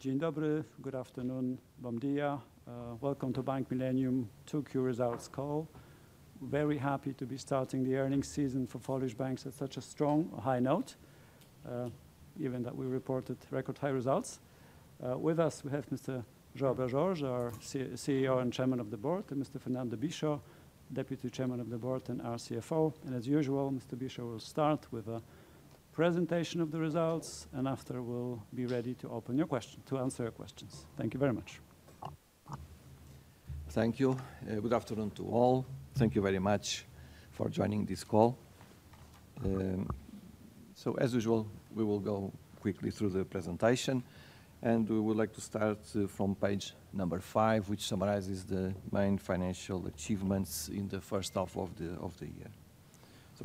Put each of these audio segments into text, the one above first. Good afternoon, welcome to Bank Millennium SA two quarters results call. Very happy to be starting the earnings season for Polish banks at such a strong high note given that we reported record high results. With us we have Mr. Joao Bras Jorge, our CEO and Chairman of the Board, and Mr. Fernando Bicho, Deputy Chairman of the Board and our CFO. As usual, Mr. Bicho will start with presentation of the results and after we'll be ready to open your questions to answer your questions. Thank you very much. Thank you. Good afternoon to all. Thank you very much for joining this call. As usual, we will go quickly through the presentation and we would like to start from page number five, which summarizes the main financial achievements in the first half of the year.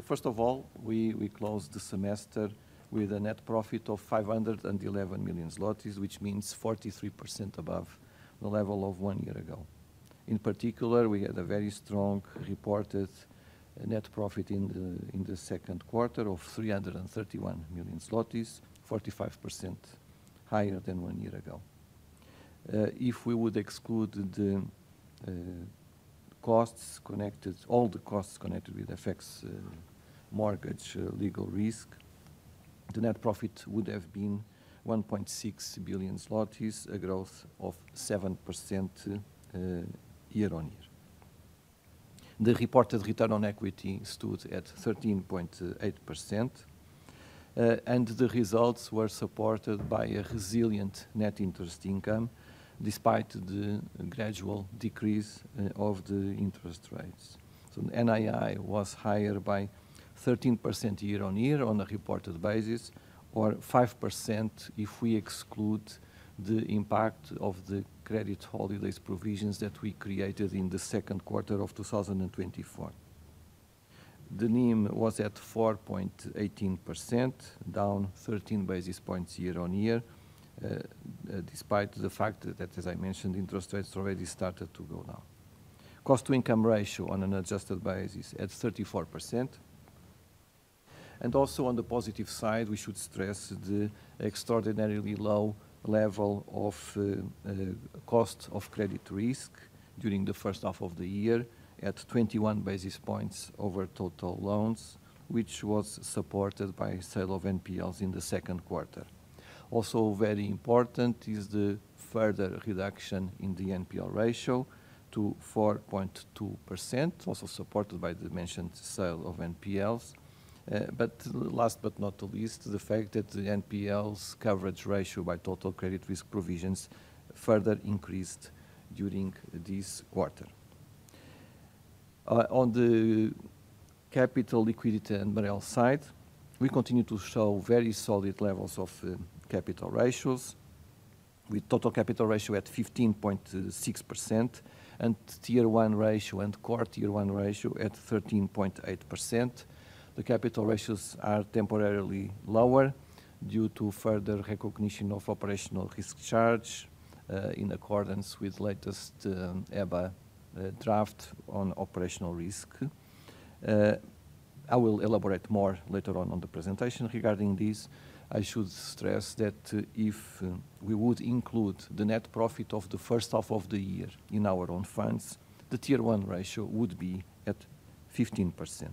First of all, we closed the semester with a net profit of 511 million zlotys, which means 43% above the level of one year ago. In particular, we had a very strong reported net profit in the second quarter of 331 million zlotys, 45% higher than one year ago. If we would exclude all the costs connected with FX mortgage legal risk, the net profit would have been 1.6 billion zlotys, a growth of 7% year on year. The reported return on equity stood at 13.8% and the results were supported by a resilient net interest income despite the gradual decrease of the interest rates. NII was higher by 13% year on year on a reported basis, or 5% if we exclude the impact of the credit holidays provisions that we created in the second quarter of 2024. The net interest margin was at 4.18%, down 13 basis points year on year, despite the fact that, as I mentioned, interest rates already started to go down. Cost-to-income ratio on an adjusted basis at 34%. Also on the positive side, we should stress the extraordinarily low level of cost of credit risk during the first half of the year at 21 basis points over total loans, which was supported by sale of NPLs in the second quarter. Also very important is the further reduction in the NPL ratio to 4.2%, also supported by the mentioned sale of NPLs. Last but not least, the fact that the NPL coverage ratio by total credit risk provisions further increased during this quarter. On the capital, liquidity, and MREL side, we continue to show very solid levels of capital ratios, with total capital ratio at 15.6% and tier 1 ratio and core tier one ratio at 13.8%. The capital ratios are temporarily lower due to further recognition of operational risk charges in accordance with latest EBA draft on operational risk. I will elaborate more later on in the presentation. Regarding this, I should stress that if we would include the net profit of the first half of the year in our own funds, the tier 1 ratio would be at 15%.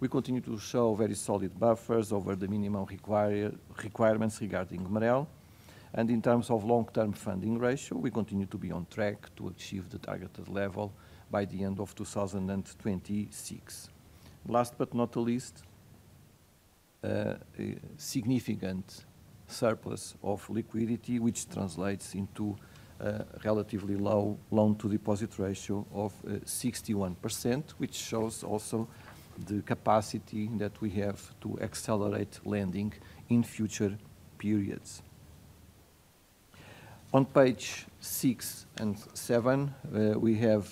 We continue to show very solid buffers over the minimum required requirements regarding MREL and in terms of long-term funding ratio we continue to be on track to achieve the targeted level by the end of 2026. Last but not the least significant surplus of liquidity, which translates into relatively low loan-to-deposit ratio of 61%, which shows also the capacity that we have to accelerate lending in future periods. On page 6 and 7, we have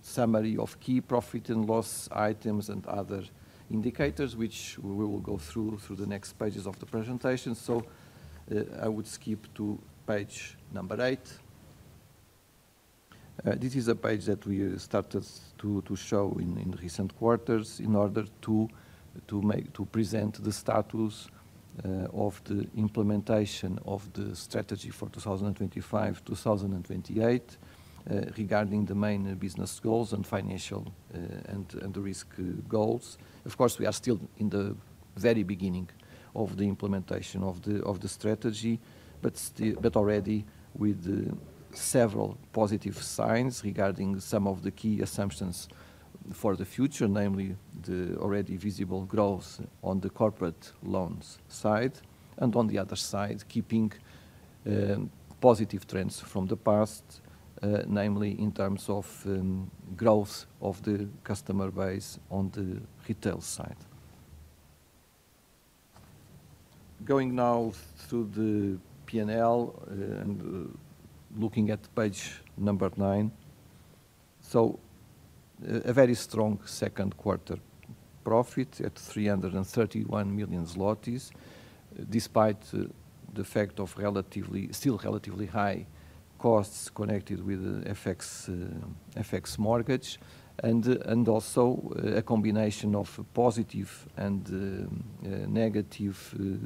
summary of key profit and loss items and other indicators, which we will go through the next pages of the presentation. I would skip to page number. This is a page that we started to show in recent quarters in order to present the status of the implementation of the strategy for 2025-2028 regarding the main business goals and financial and risk goals. Of course, we are still in the very beginning of the implementation of the strategy, but already with several positive signs regarding some of the key assumptions for the future, namely the already visible growth on the corporate loans side and on the other side keeping positive trends from the past, namely in terms of growth of the customer base on the hotel side. Going now through the P&L and looking at page number nine, a very strong second quarter profit at 331 million zlotys despite the fact of still relatively high costs connected with FX mortgage and also a combination of positive and negative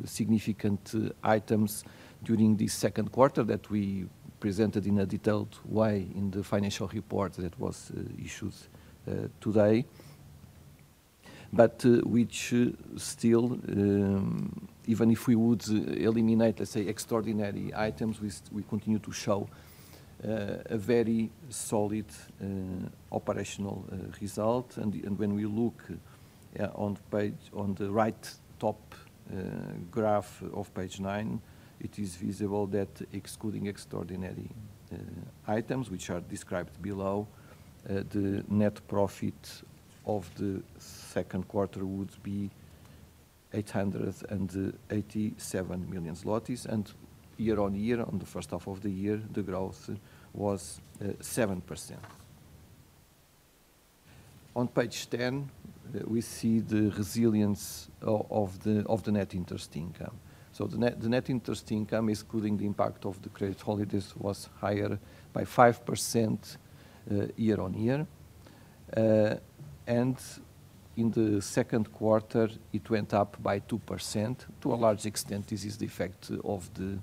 significant items during the second quarter that we presented in a detailed way in the financial report that was issued today, which still, even if we would eliminate, let's say, extraordinary items, we continue to show a very solid operational result. When we look on the right top graph of page 9, it is visible that excluding extraordinary items, which are described below, the net profit of the second quarter would be 886 million zlotys year on year. On the first half of the year, the growth was 7%. On page 10, we see the resilience of the net interest income. The net interest income excluding the impact of the credit holidays was higher by 5% year on year, and in the second quarter it went up by 2%. To a large extent, this is the effect of the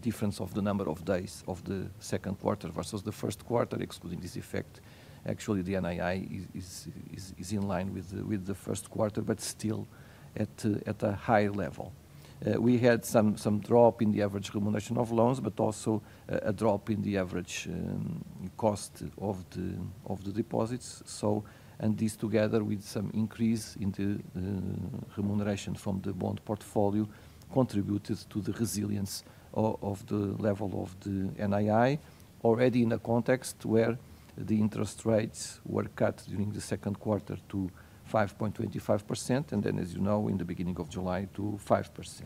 difference of the number of days of the second quarter versus the first quarter. Excluding this effect, actually the NII is in line with the first quarter, but still at a high level. We had some drop in the average cumulation of loans, but also a drop in the average cost of the loan deposits. This, together with some increase in the remuneration from the bond portfolio, contributed to the resilience of the level of the NII. Already in a context where the interest rates were cut during the second quarter to 5.25% and then, as you know, in the beginning of July to 5%.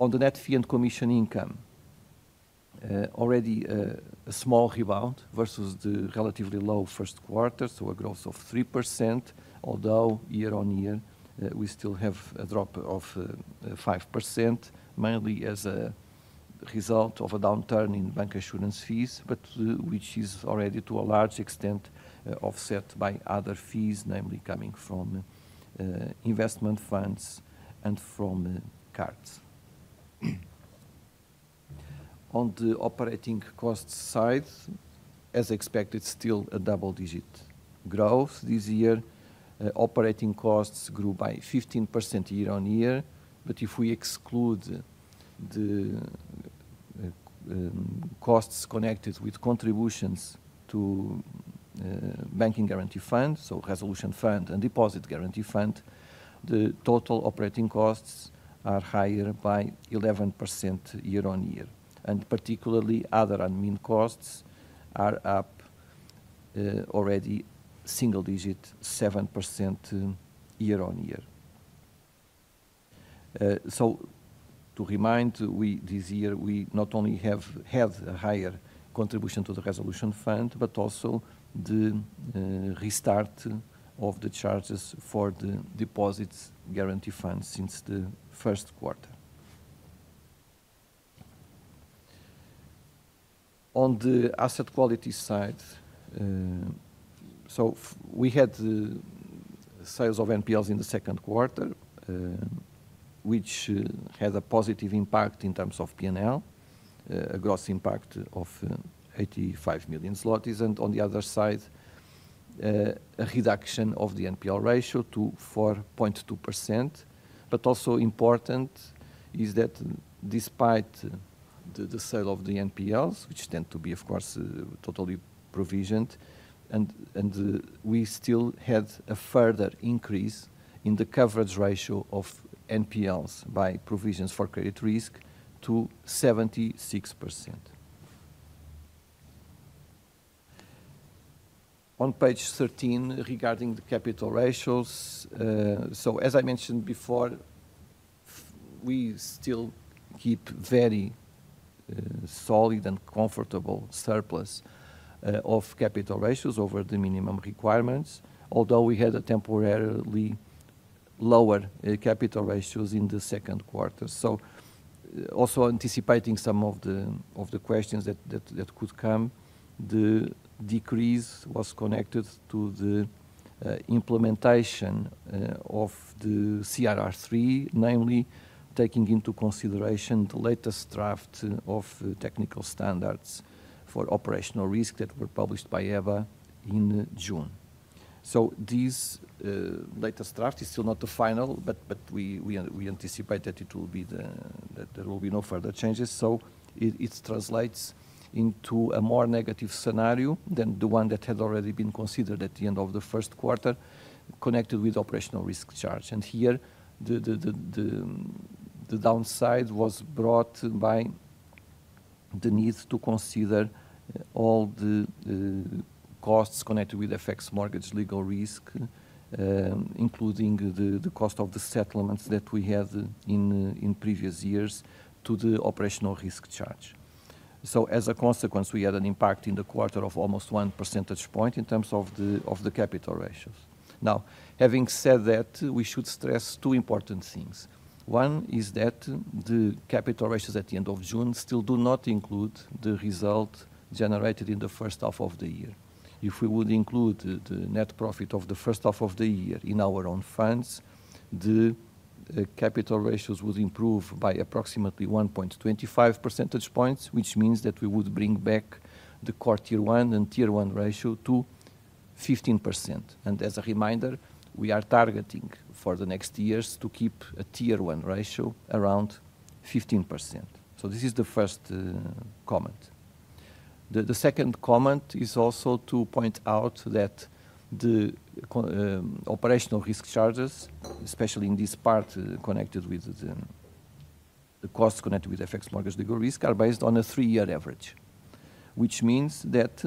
On the net fee and commission income, already a small rebound versus the relatively low first quarter, so a growth of 3%, although year on year we still have a drop of 5%, mainly as a result of a downturn in bancassurance fees, which is already to a large extent offset by other fees, namely coming from investment funds and from cards. On the operating costs side, as expected, still a double-digit growth this year, operating costs grew by 15% year on year. If we exclude the costs connected with contributions to Banking Guarantee Funds, so Resolution Fund and Deposit Guarantee Fund, the total operating costs are higher by 11% year on year and particularly other admin costs are up already single digit, 7% year on year. To remind, this year we not only have had a higher contribution to the Resolution Fund, but also the restart of the charges for the Deposits Guarantee Fund since the first quarter. On the asset quality side, we had sales of NPLs in the second quarter, which had a positive impact in terms of P&L, a gross impact of 85 million zlotys, and on the other side a reduction of the NPL ratio to 4.2%. Also important is that despite the sale of the NPLs, which tend to be of course totally provisioned, we still had a further increase in the coverage ratio of NPLs by provisions for credit risk to 76%. On page 13 regarding the capital ratios, as I mentioned before, we still keep very solid and comfortable surplus of capital ratios over the minimum requirements, although we had temporarily lower capital ratios in the second quarter, also anticipating some of the questions that could come. The decrease was connected to the implementation of the CRR3, namely taking into consideration the latest draft of Technical Standards for Operational Risk that were published by EBA in June. This latest draft is still not the final, but we anticipate that there will be no further changes. It translates into a more negative scenario than the one that had already been considered at the end of the first quarter connected with operational risk charge. Here the downside was brought by the need to consider all the costs connected with FX mortgage legal risk, including the cost of the settlements that we had in previous years to the operational risk charge. As a consequence, we had an impact in the quarter of almost 1 percentage point in terms of the capital ratios. Having said that, we should stress two important things. One is that the capital ratios at the end of June still do not include the result generated in the first half of the year. If we would include the net profit of the first half of the year in our own funds, the capital ratios would improve by approximately 1.25 percentage points, which means that we would bring back the core tier one and tier one ratio to 15%. As a reminder, we are targeting for the next years to keep a tier one ratio around 15%. This is the first comment. The second comment is also to point out that the operational risk charges, especially in this part connected with the cost connected with FX mortgage legal risk, are based on a three-year average, which means that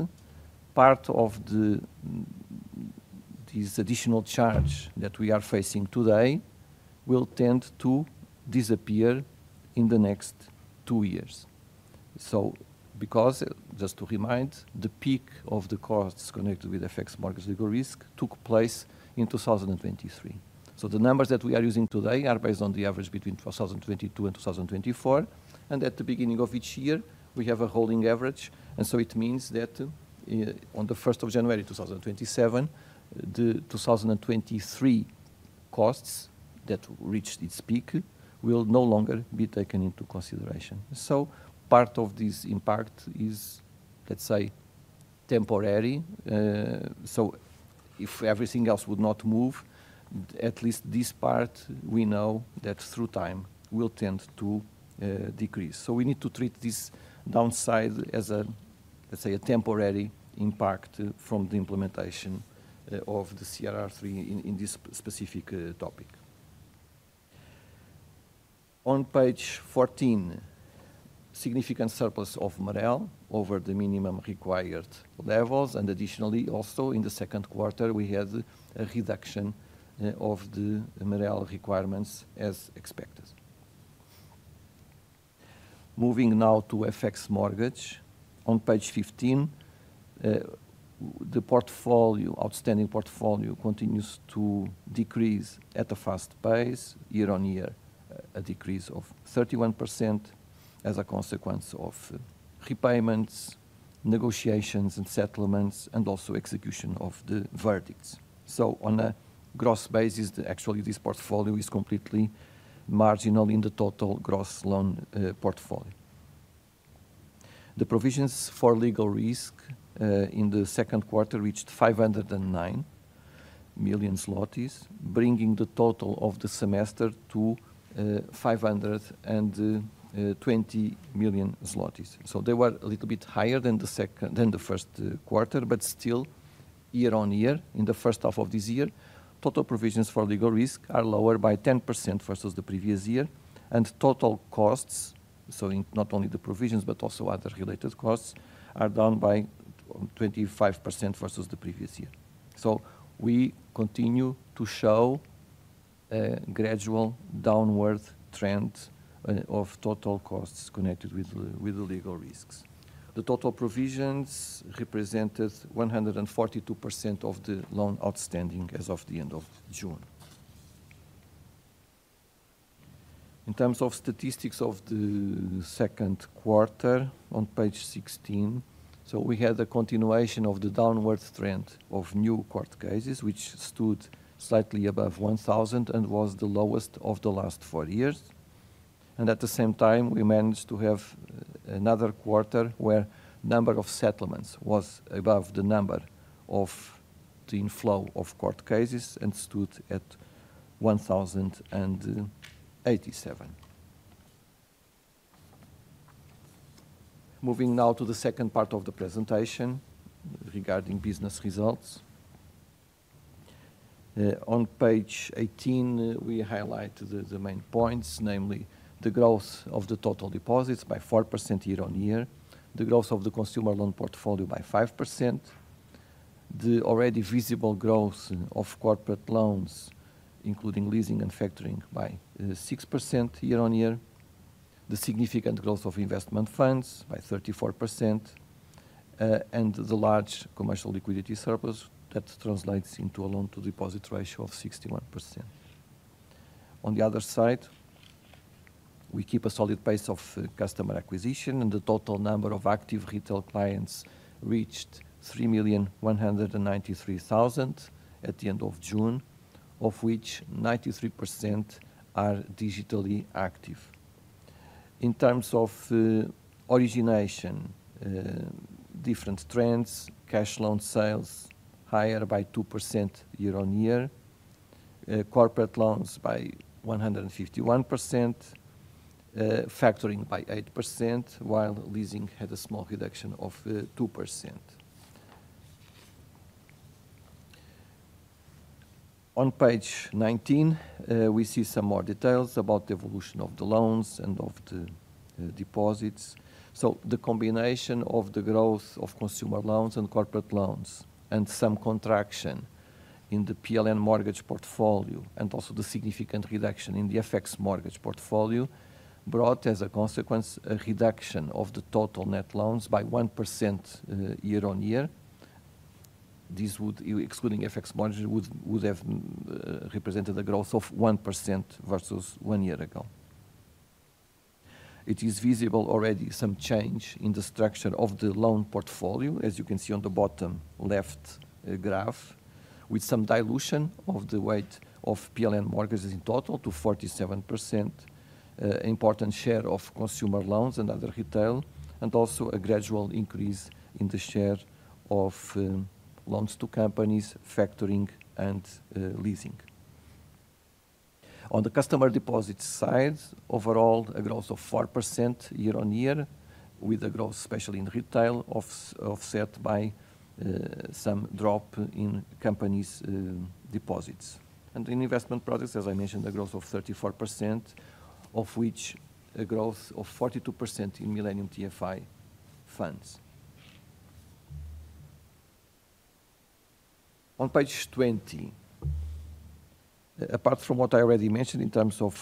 part of this additional charge that we are facing today will tend to disappear in the next two years. Just to remind, the peak of the costs connected with FX mortgage legal risk took place in 2023. The numbers that we are using today are based on the average between 2022 and 2024, and at the beginning of each year we have a holding average. It means that on January 1, 2027, the 2023 costs that reached its peak will no longer be taken into consideration. Part of this impact is, let's say, temporary. If everything else would not move, at least this part we know that through time will tend to decrease. We need to treat this downside as, let's say, a temporary impact from the implementation of the CRR3 in this specific topic on page 14, significant surplus of morale over the minimum required levels. Additionally, also in the second quarter we had a reduction of the morale requirements, as expected. Moving now to FX mortgage on page 15, the outstanding portfolio continues to decrease at a fast pace year on year, a decrease of 31% as a consequence of repayments, negotiations and settlements, and also execution of the verdicts. On a gross basis, actually this portfolio is completely marginal in the total gross loan portfolio. The provisions for legal risk in the second quarter reached 509 million zlotys, bringing the total of the semester to 520 million zlotys. They were a little bit higher than the first quarter. Still, year on year, in the first half of this year, total provisions for legal risk are lower by 10% versus the previous year and total costs. Not only the provisions but also other related costs are down by 25% versus the previous year. We continue to show a gradual downward trend of total costs connected with the legal risks. The total provisions represented 142% of the loan outstanding as of the end of June. In terms of statistics of the second quarter on page 16, we had a continuation of the downward trend of new court cases which stood slightly above 1,000 and was the lowest of the last four years. At the same time, we managed to have another quarter where the number of settlements was above the number of the inflow of court cases and stood at 1,087. Moving now to the second part of the presentation regarding business results, on page 18 we highlight the main points, namely the growth of the total deposits by 4% year on year, the growth of the consumer loan portfolio by 5%, the already visible growth of corporate loans including leasing and factoring by 6% year on year, the significant growth of investment funds by 34% and the large commercial liquidity surplus that translates into a loan to deposit ratio of 61%. On the other side, we keep a solid pace of customer acquisition and the total number of active retail clients reached 3,193,000 at the end of June, of which 93% are decent digitally active. In terms of origination, different trends: cash loan sales higher by 2% year on year, corporate loans by 151%, factoring by 8% while leasing had a small reduction of 2%. On page 19, we see some more details about the evolution of the loans and of the deposits. The combination of the growth of consumer loans and corporate loans and some contraction in the PLN mortgage portfolio and also the significant reduction in the FX mortgage portfolio brought as a consequence a reduction of the total net loans by 1% year on year. This would, excluding FX mortgage, have represented a growth of 1% versus one year ago. It is visible already some change in the structure of the loan portfolio as you can see on the bottom left graph with some dilution of the weight of PLN mortgages in total to 47%, important share of consumer loans and other retail, and also a gradual increase in the share of loans to companies, factoring, and leasing. On the customer deposit side, overall a growth of 4% year on year with the growth especially in retail offset by some drop in companies deposits and in investment projects. As I mentioned, the growth of 34% of which a growth of 42% in Millennium TFI funds. On page 20, apart from what I already mentioned in terms of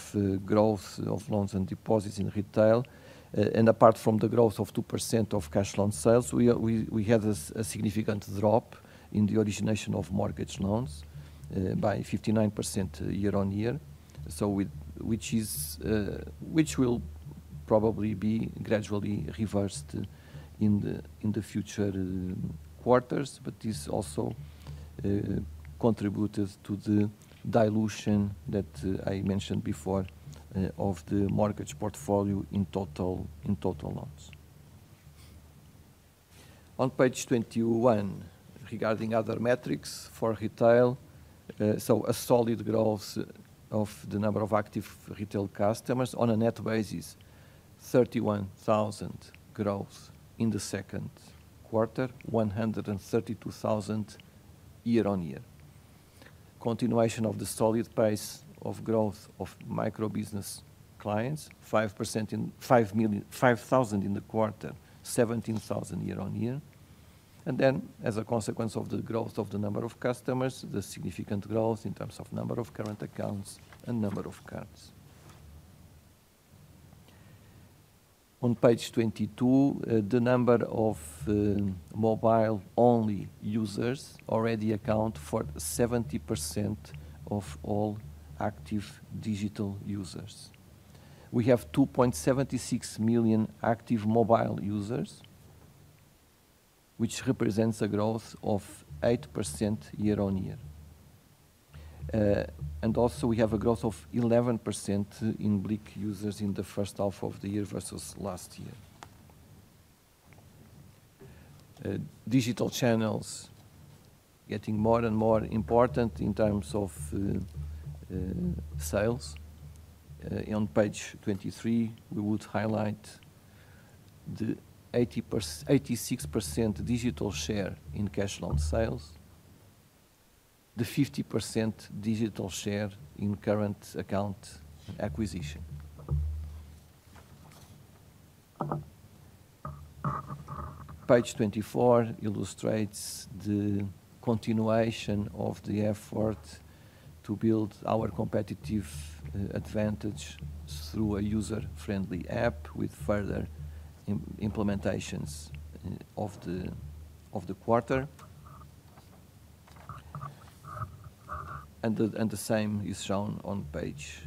growth of loans and deposits in retail and apart from the growth of 2% of cash loan sales, we had a significant drop in the origination of mortgage loans by 59% year on year, which will probably be gradually reversed in the future quarters. This also contributed to the dilution that I mentioned before of the mortgage portfolio in total loans. On page 21, regarding other metrics for retail, a solid growth of the number of active retail customers on a net basis: 31,000 growth in the second quarter, 132,000 year on year. Continuation of the solid pace of growth of micro business clients, 5% in 5,000 in the quarter, 17,000 year on year. As a consequence of the growth of the number of customers, there is significant growth in terms of number of current accounts and number of cards. On page 22, the number of mobile-only users already accounts for 70% of all active digital users. We have 2.76 million active mobile users, which represents a growth of 8% year on year, and also we have a growth of 11% in BLIK users in the first half of the year versus last year. Digital channels are getting more and more important in terms of sales. On page 23, we would highlight the 86% digital share in cash loan sales, the 50% digital share in current account acquisition. Page 24 illustrates the continuation of the effort to build our competitive advantage through a user-friendly app with further implementations of the quarter, and the same is shown on page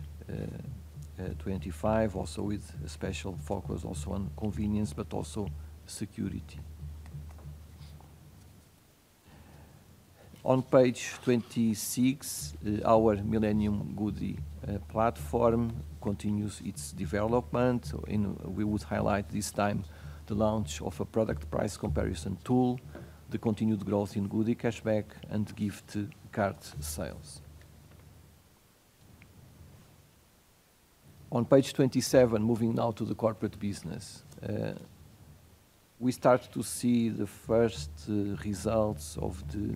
25, also with special focus on convenience but also security. On page 26, our Millennium Goody platform continues its development. We would highlight this time the launch of a product price comparison tool, the continued growth in Goody cashback and gift card sales. On page 27, moving now to the corporate business, we start to see the first results of the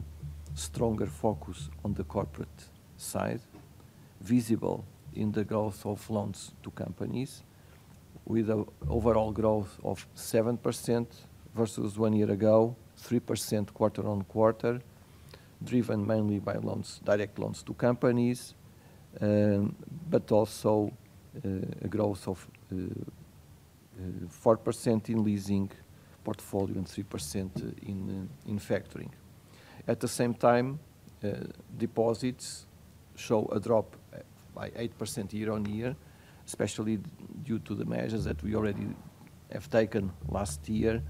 stronger focus on the corporate side, visible in the growth of loans to companies with an overall growth of 7% versus one year ago, 3% quarter on quarter, driven mainly by direct loans to companies, but also a growth of 4% in leasing portfolio and 3% in factoring. At the same time, deposits show a drop by 8% year on year, especially due to the measures that we already have taken last year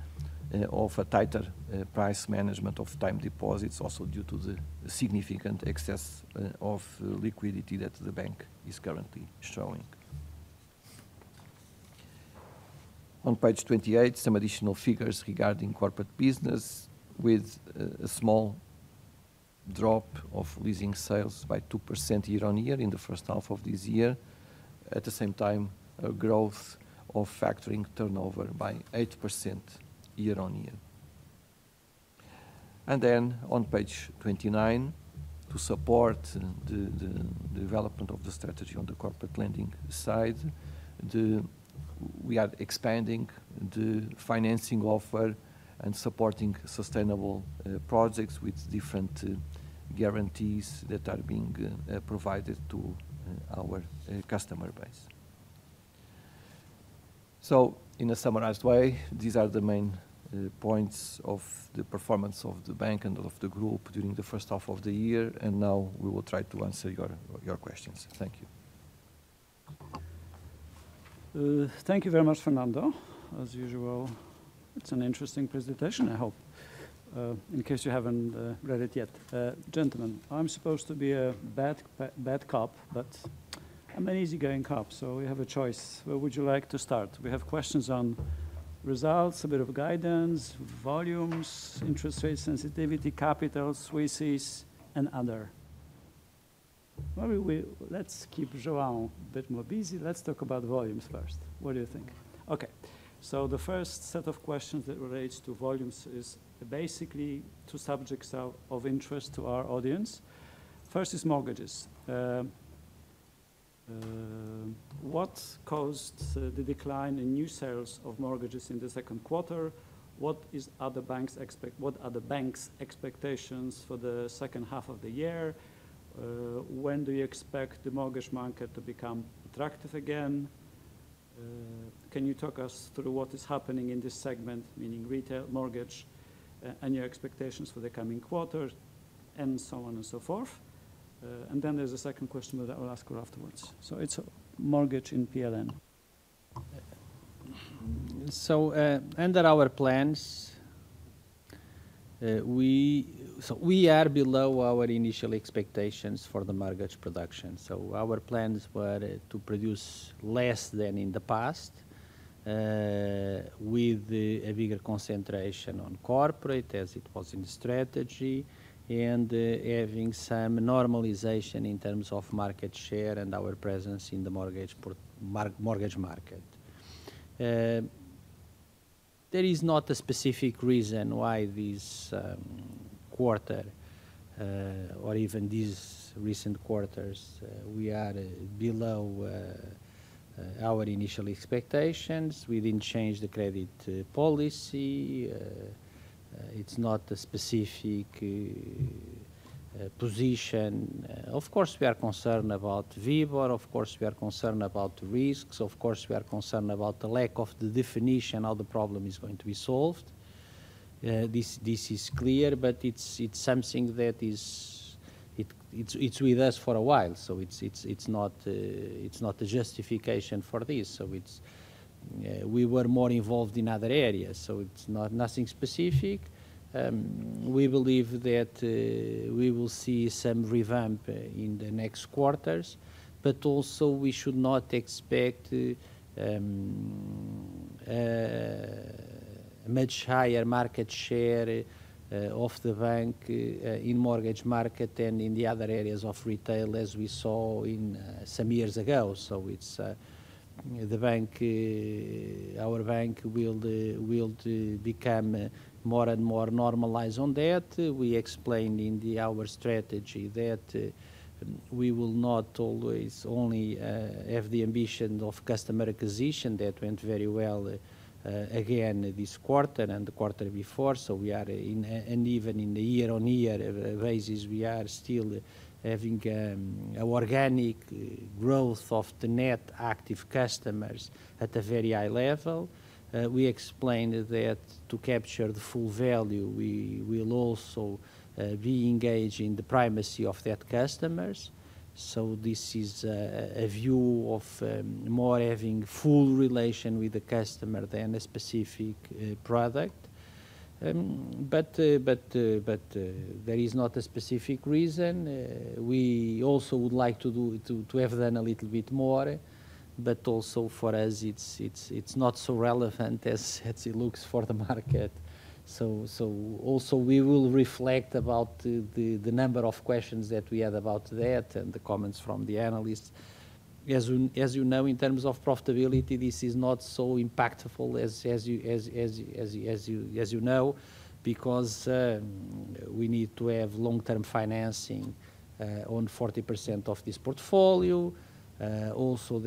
of a tighter price management of time deposits, also due to the significant excess of liquidity that the bank is currently showing. On page 28, some additional figures regarding corporate business with a small drop of leasing sales by 2% year on year in the first half of this year. At the same time, growth of factoring turnover by 8% year on year. On page 29, to support the development of the strategy on the corporate lending side, we are expanding the financing offer and supporting sustainable projects with different guarantees that are being provided to our customer base. In a summarized way, these are the main points of the performance of the bank and of the group during the first half of the year. Now we will try to answer your questions. Thank you. Thank you very much, Fernando. As usual, it's an interesting presentation. I hope, in case you haven't read it yet, gentlemen, I'm supposed to be a bad cop, but I'm an easygoing cop. We have a choice. Where would you like to start? We have questions on results, a bit of guidance, volumes, interest rate sensitivity, capital Swisses, and other. Let's keep Joao a bit more busy. Let's talk about volumes first. What do you think? The first set of questions that relates to volumes is basically two subjects of interest to our audience. First is mortgages. What caused the decline in new sales of mortgages in the second quarter? What are the bank's expectations for the second half of the year? When do you expect the mortgage market to become attractive again? Can you talk us through what is happening in this segment, meaning retail mortgage, and your expectations for the coming quarter and so on and so forth? Then there's a second question that I will ask you afterwards. It's mortgage in PLN. We are below our initial expectations for the mortgage production. Our plans were to produce less than in the past, with a bigger concentration on corporate as it was in strategy and having some normalization in terms of market share and our presence in the mortgage market. There is not a specific reason why this quarter or even these recent quarters we are below our initial expectations. We didn't change the credit policy. It's not a specific position. Of course we are concerned about vivo. Of course we are concerned about risks. Of course we are concerned about the lack of the definition of the problem is going to be solved. This is clear. It's something that is with us for a while. It's not the justification for this. We were more involved in other areas. It's not anything specific. We believe that we will see some revamp in the next quarters. We should not expect much higher market share of the bank in mortgage market and in the other areas of retail, as we saw some years ago. The bank, our bank, will become more and more normalized. We explained in our strategy that we will not always only have the ambition of customer acquisition that went very well again this quarter and the quarter before. Even in the year on year basis we are still having organic growth of the net active customers at a very high level. We explained that to capture the full value we will also be engaging the primacy of that customers. This is a view of more having full relation with the customer than a specific product. There is not a specific reason. We also would like to have done a little bit more, but also for whereas it's not so relevant as it looks for the market. We will reflect about the number of questions that we had about that and the comments from the analysts. As you know, in terms of profitability this is not so impactful. As you now we need to have long-term financing on 40% of this portfolio. There are also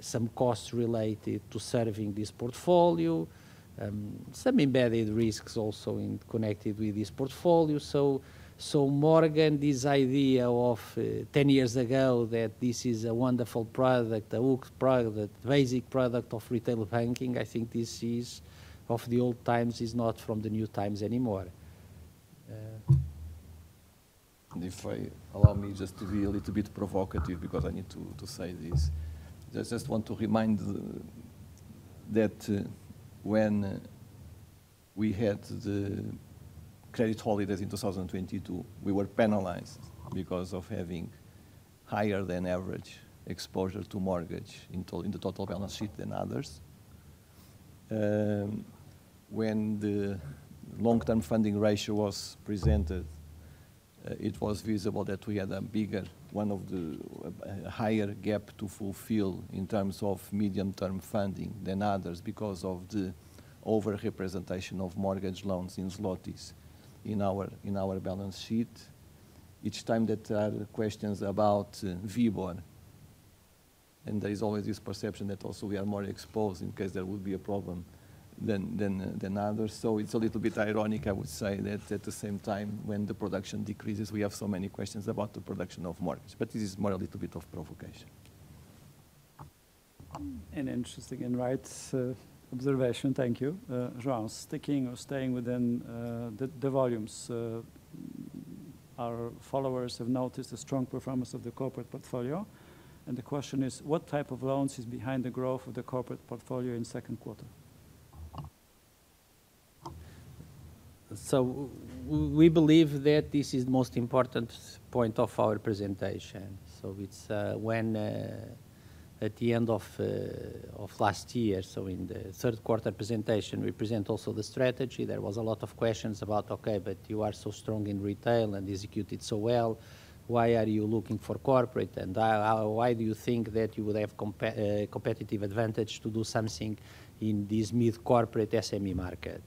some costs related to serving this portfolio, and some embedded risks also connected with this portfolio. Morgan, this idea of 10 years ago that this is a wonderful product, a basic product of retail banking, I think this is of the old times, it is not from the new times anymore. If you allow me just to be a little bit provocative because I need to say this. I just want to remind that when we had the credit holidays in 2022, we were penalized because of having higher than average exposure to mortgage in the total balance sheet and others. When the long term funding ratio was presented, it was visible that we had a bigger, one of the higher gaps to fulfill in terms of medium term funding than others because of the overrepresentation of mortgage loans in zlotys in our balance sheet. Each time that questions about VBON and there is always this perception that also we are more exposed in case there would be a problem than others. It's a little bit ironic, I would say, that at the same time when the production decreases, we have so many questions about the production of mortgage, but this is more a little bit of provocation. An interesting and right observation. Thank you. Sticking or staying within the volumes, our followers have noticed the strong performance of the corporate portfolio, and the question is what type of loans is behind the growth of the corporate portfolio in the second quarter. We believe that this is the most important point of our presentation. At the end of last year, in the third quarter presentation, we presented also the strength. There were a lot of questions about, okay, but you are so strong in retail and executed so well. Why are you looking for corporate and why do you think that you would have competitive advantage to do something in this mid corporate SME market?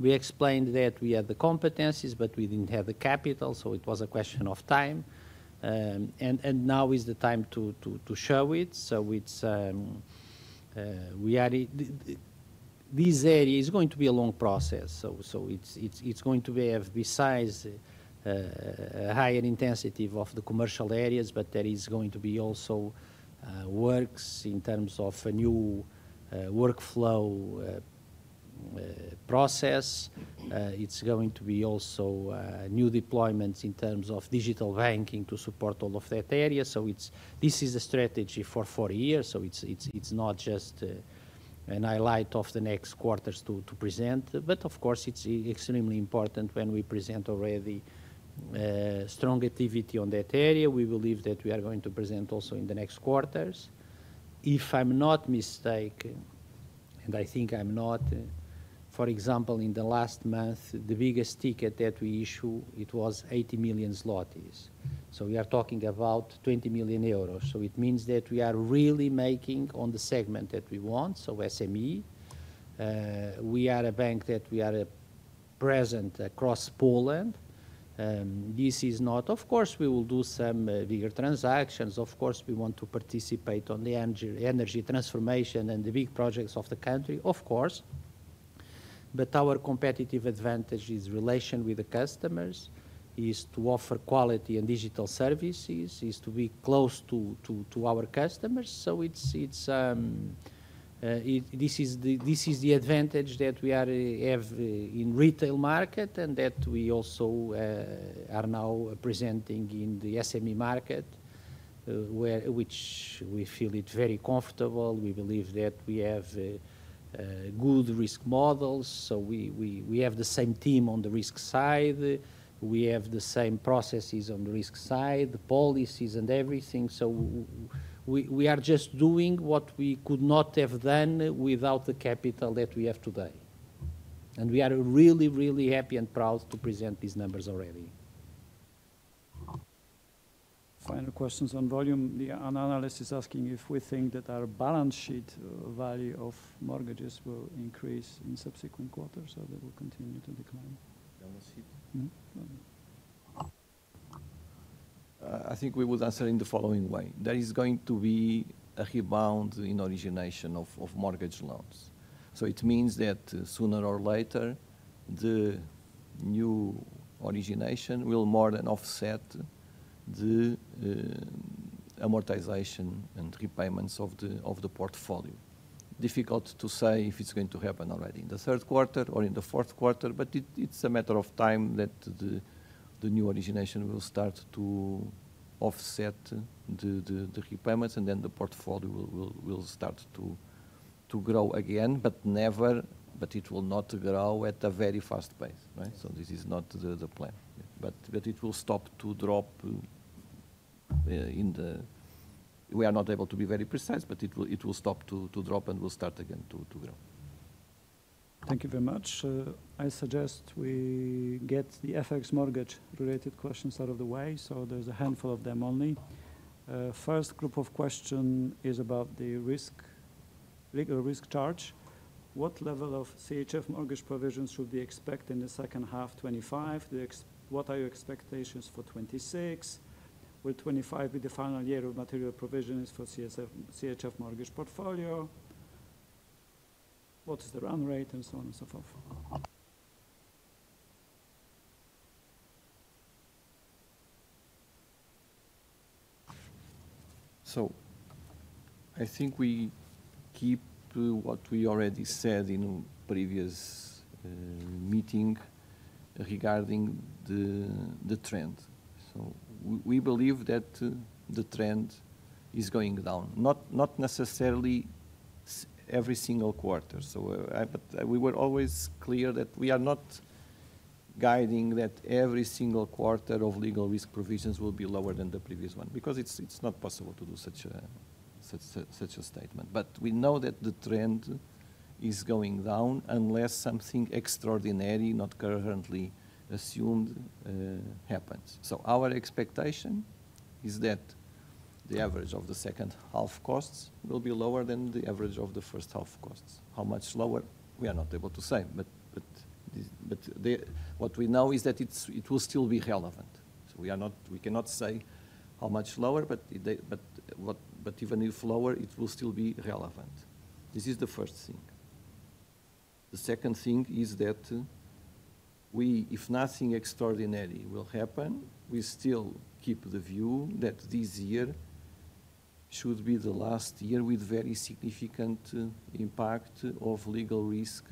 We explained that we had the competencies, but we didn't have the capital. It was a question of time and now is the time to show it. This area is going to be a long process. It is going to have, besides higher intensity of the commercial areas, also work in terms of a new workflow process. There are going to be new deployments in terms of digital banking to support all of that area. This is a strategy for four years. It is not just a highlight of the next quarters to present. Of course, it is extremely important when we present already strong activity in that area. We believe that we are going to present also in the next quarters. If I'm not mistaken, and I think I'm not, for example, in the last month the biggest ticket that we issued was 80 million zlotys. We are talking about 20 million euros. It means that we are really making on the segment that we want. SME, we are a bank that is present across Poland. Of course, we will do some bigger transactions. We want to participate in the energy transformation and the big projects of the country, of course. Our competitive advantage is relation with the customers, to offer quality and digital services, to be close to our customers. This is the advantage that we have in the retail market and that we also are now presenting in the SME market, which we feel very comfortable. We believe that we have good risk models. We have the same team on the risk side, the same processes on the risk side, the policies and everything. We are just doing what we could not have done without the capital that we have today. We are really, really happy and proud to present these numbers already. Final questions on volume, an analyst is asking if we think that our balance sheet value of mortgages will increase in subsequent quarters or they will continue to decline. I think we would answer in the following way. There is going to be a rebound in origination of mortgage loans. It means that sooner or later the new origination will more than offset the amortization and repayments of the portfolio. It is difficult to say if it's going to happen already in the third quarter or in the fourth quarter. It is a matter of time that the new origination will start to offset the repayments and then the portfolio will start to grow again. It will not grow at a very fast pace. Right. This is not the plan, but it will stop to drop. We are not able to be very precise, but it will stop to drop and will start again to grow. Thank you very much. I suggest we get the FX mortgage related questions out of the way. There's a handful of them only. First group of questions is about the risk, legal risk charge. What level of CHF mortgage provisions should we expect in the second half of 2025? What are your expectations for 2026? Will 2025 be the final year of material provisions for the CHF mortgage portfolio? What is the run rate and so on and so forth. I think we keep what we already said in previous meeting regarding the trend. We believe that the trend is going down, not necessarily every single quarter, but we were always clear that we are not guiding that every single quarter of legal risk provisions will be lower than the previous one because it's not possible to do such a statement. We know that the trend is going down unless something extraordinary not currently assumed happens. Our expectation is that the average of the second half costs will be lower than the average of the first half. First half costs, how much lower we are not able to say. What we know is that it will still be relevant. We cannot say how much lower, but even if lower it will still be relevant. This is the first thing. The second thing is that if nothing extraordinary will happen, we still keep the view that this year should be the last year with very significant impact of legal risk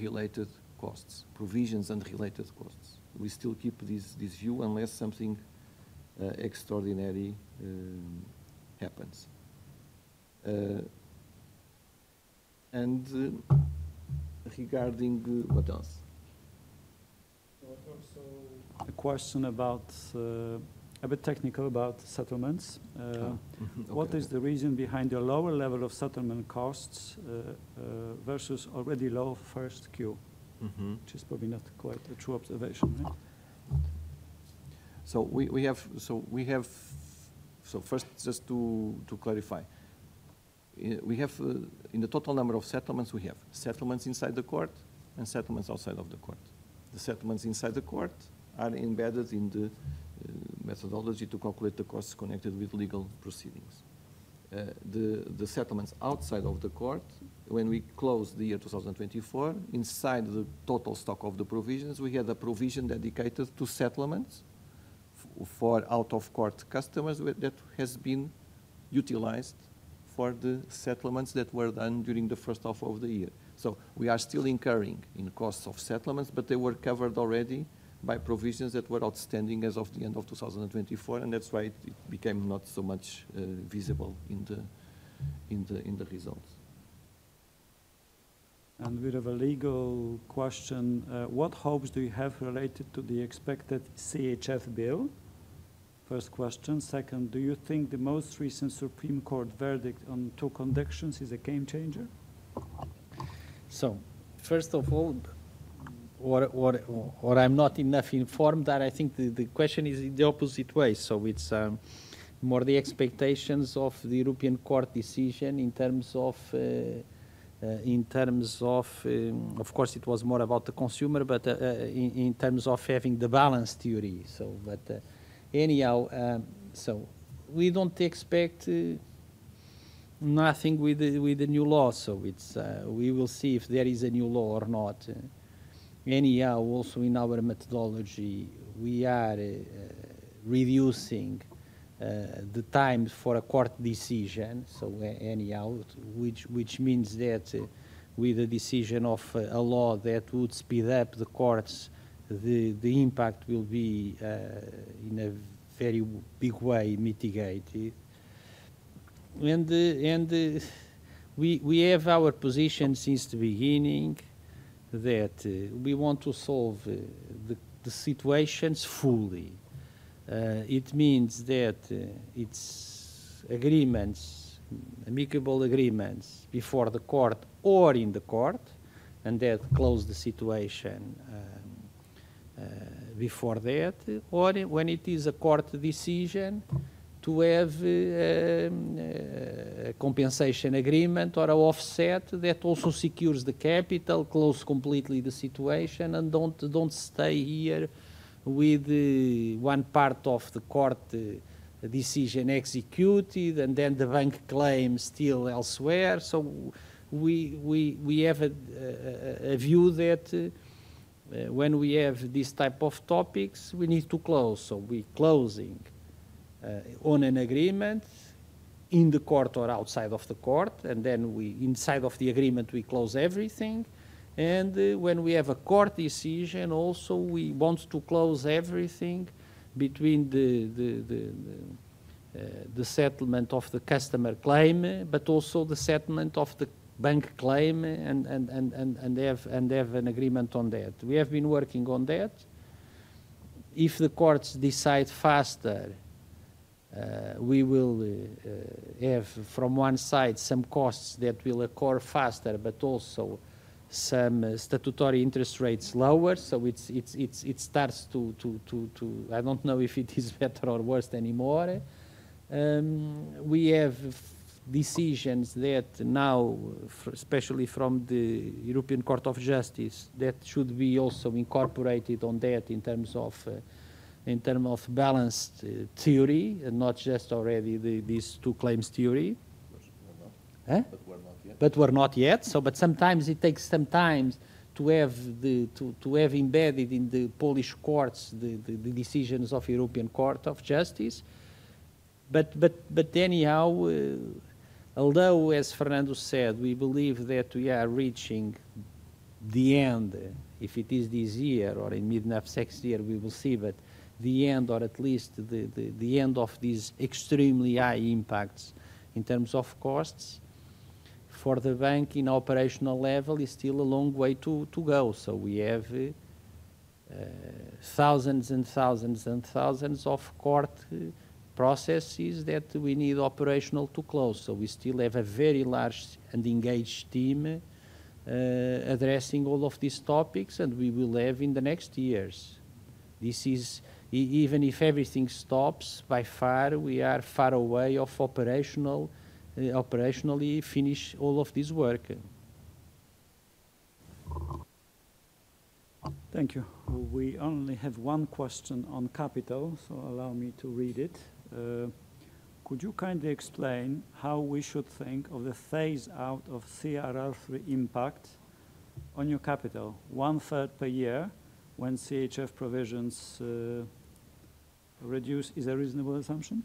related costs, provisions and related costs. We still keep this view unless something extraordinary happens. Regarding what else. A question a bit technical about settlements. What is the reason behind your lower level of settlement costs versus already low first queue, which is probably not quite a true observation. First, just to clarify, we have in the total number of settlements, settlements inside the court and settlements outside of the court. The settlements inside the court are embedded in the methodology to calculate the costs connected with legal proceedings. The settlements outside of the court, when we closed the year 2024, inside the total stock of the provisions, we had a provision dedicated to settlements for out of court customers that has been utilized for the settlements that were done during the first half of the year. We are still incurring in costs of settlements, but they were covered already by provisions that were outstanding as of the end of 2024, and that's why it became not so much visible in the results. What hopes do you have related to the expected CHF Bill? First question, second, do you think the most recent Supreme Court verdict on two convictions is a game changer? First of all, I'm not enough informed that I think the question is the opposite way. It's more the expectations of the European Court decision. Of course, it was more about the consumer, but in terms of having the balanced theory. Anyhow, we don't expect anything with the new law. We will see if there is a new law or not. Also, in our methodology, we are reducing the times for a court decision, which means that with the decision of a law that would speed up the courts, the impact will be in a very big way mitigated. We have our position since the beginning that we want to solve the situations fully. It means that it's agreements, amicable agreements before the court or in the court, and that close the situation before that or when it is a court decision to have compensation agreement or offset that also secures the capital. Close completely the situation and don't stay here with one part of the court decision executed and then the bank claim still elsewhere. We have a view that when we have this type of topics, we need to close. We are closing on an agreement in the court or outside of the court, and then inside of the agreement we close everything. When we have a court decision, we also want to close everything between the settlement of the customer claim, but also the settlement of the bank claim and have an agreement on that. We have been working on that. If the courts decide faster, we will have from one side some costs that will occur faster, but also some statutory interest rates lower. I don't know if it is better or worse anymore. We have decisions now, especially from the European Court of Justice, that should be also incorporated on that in terms of balanced theory and not just already these two claims theory, but we're not yet. Sometimes it takes some time to have embedded in the Polish courts the decisions of European Court of Justice. Although, as Fernando Bicho said, we believe that we are reaching the end. If it is this year or in mid next year, we will see the end, or at least the end of these extremely high impacts in terms of costs for the bank in operational level is still a long way to go. We have thousands and thousands and thousands of court processes that we need operationally to close. We still have a very large and engaged team addressing all of these topics. We will have in the next years, even if everything stops, by far, we are far away from operationally finishing all of this work. Thank you. We only have one question on capital, so allow me to read it. Could you kindly explain how we should think of the phase up of CRR impact on your capital? 1/3 per year when CHF provisions reduce is a reasonable assumption.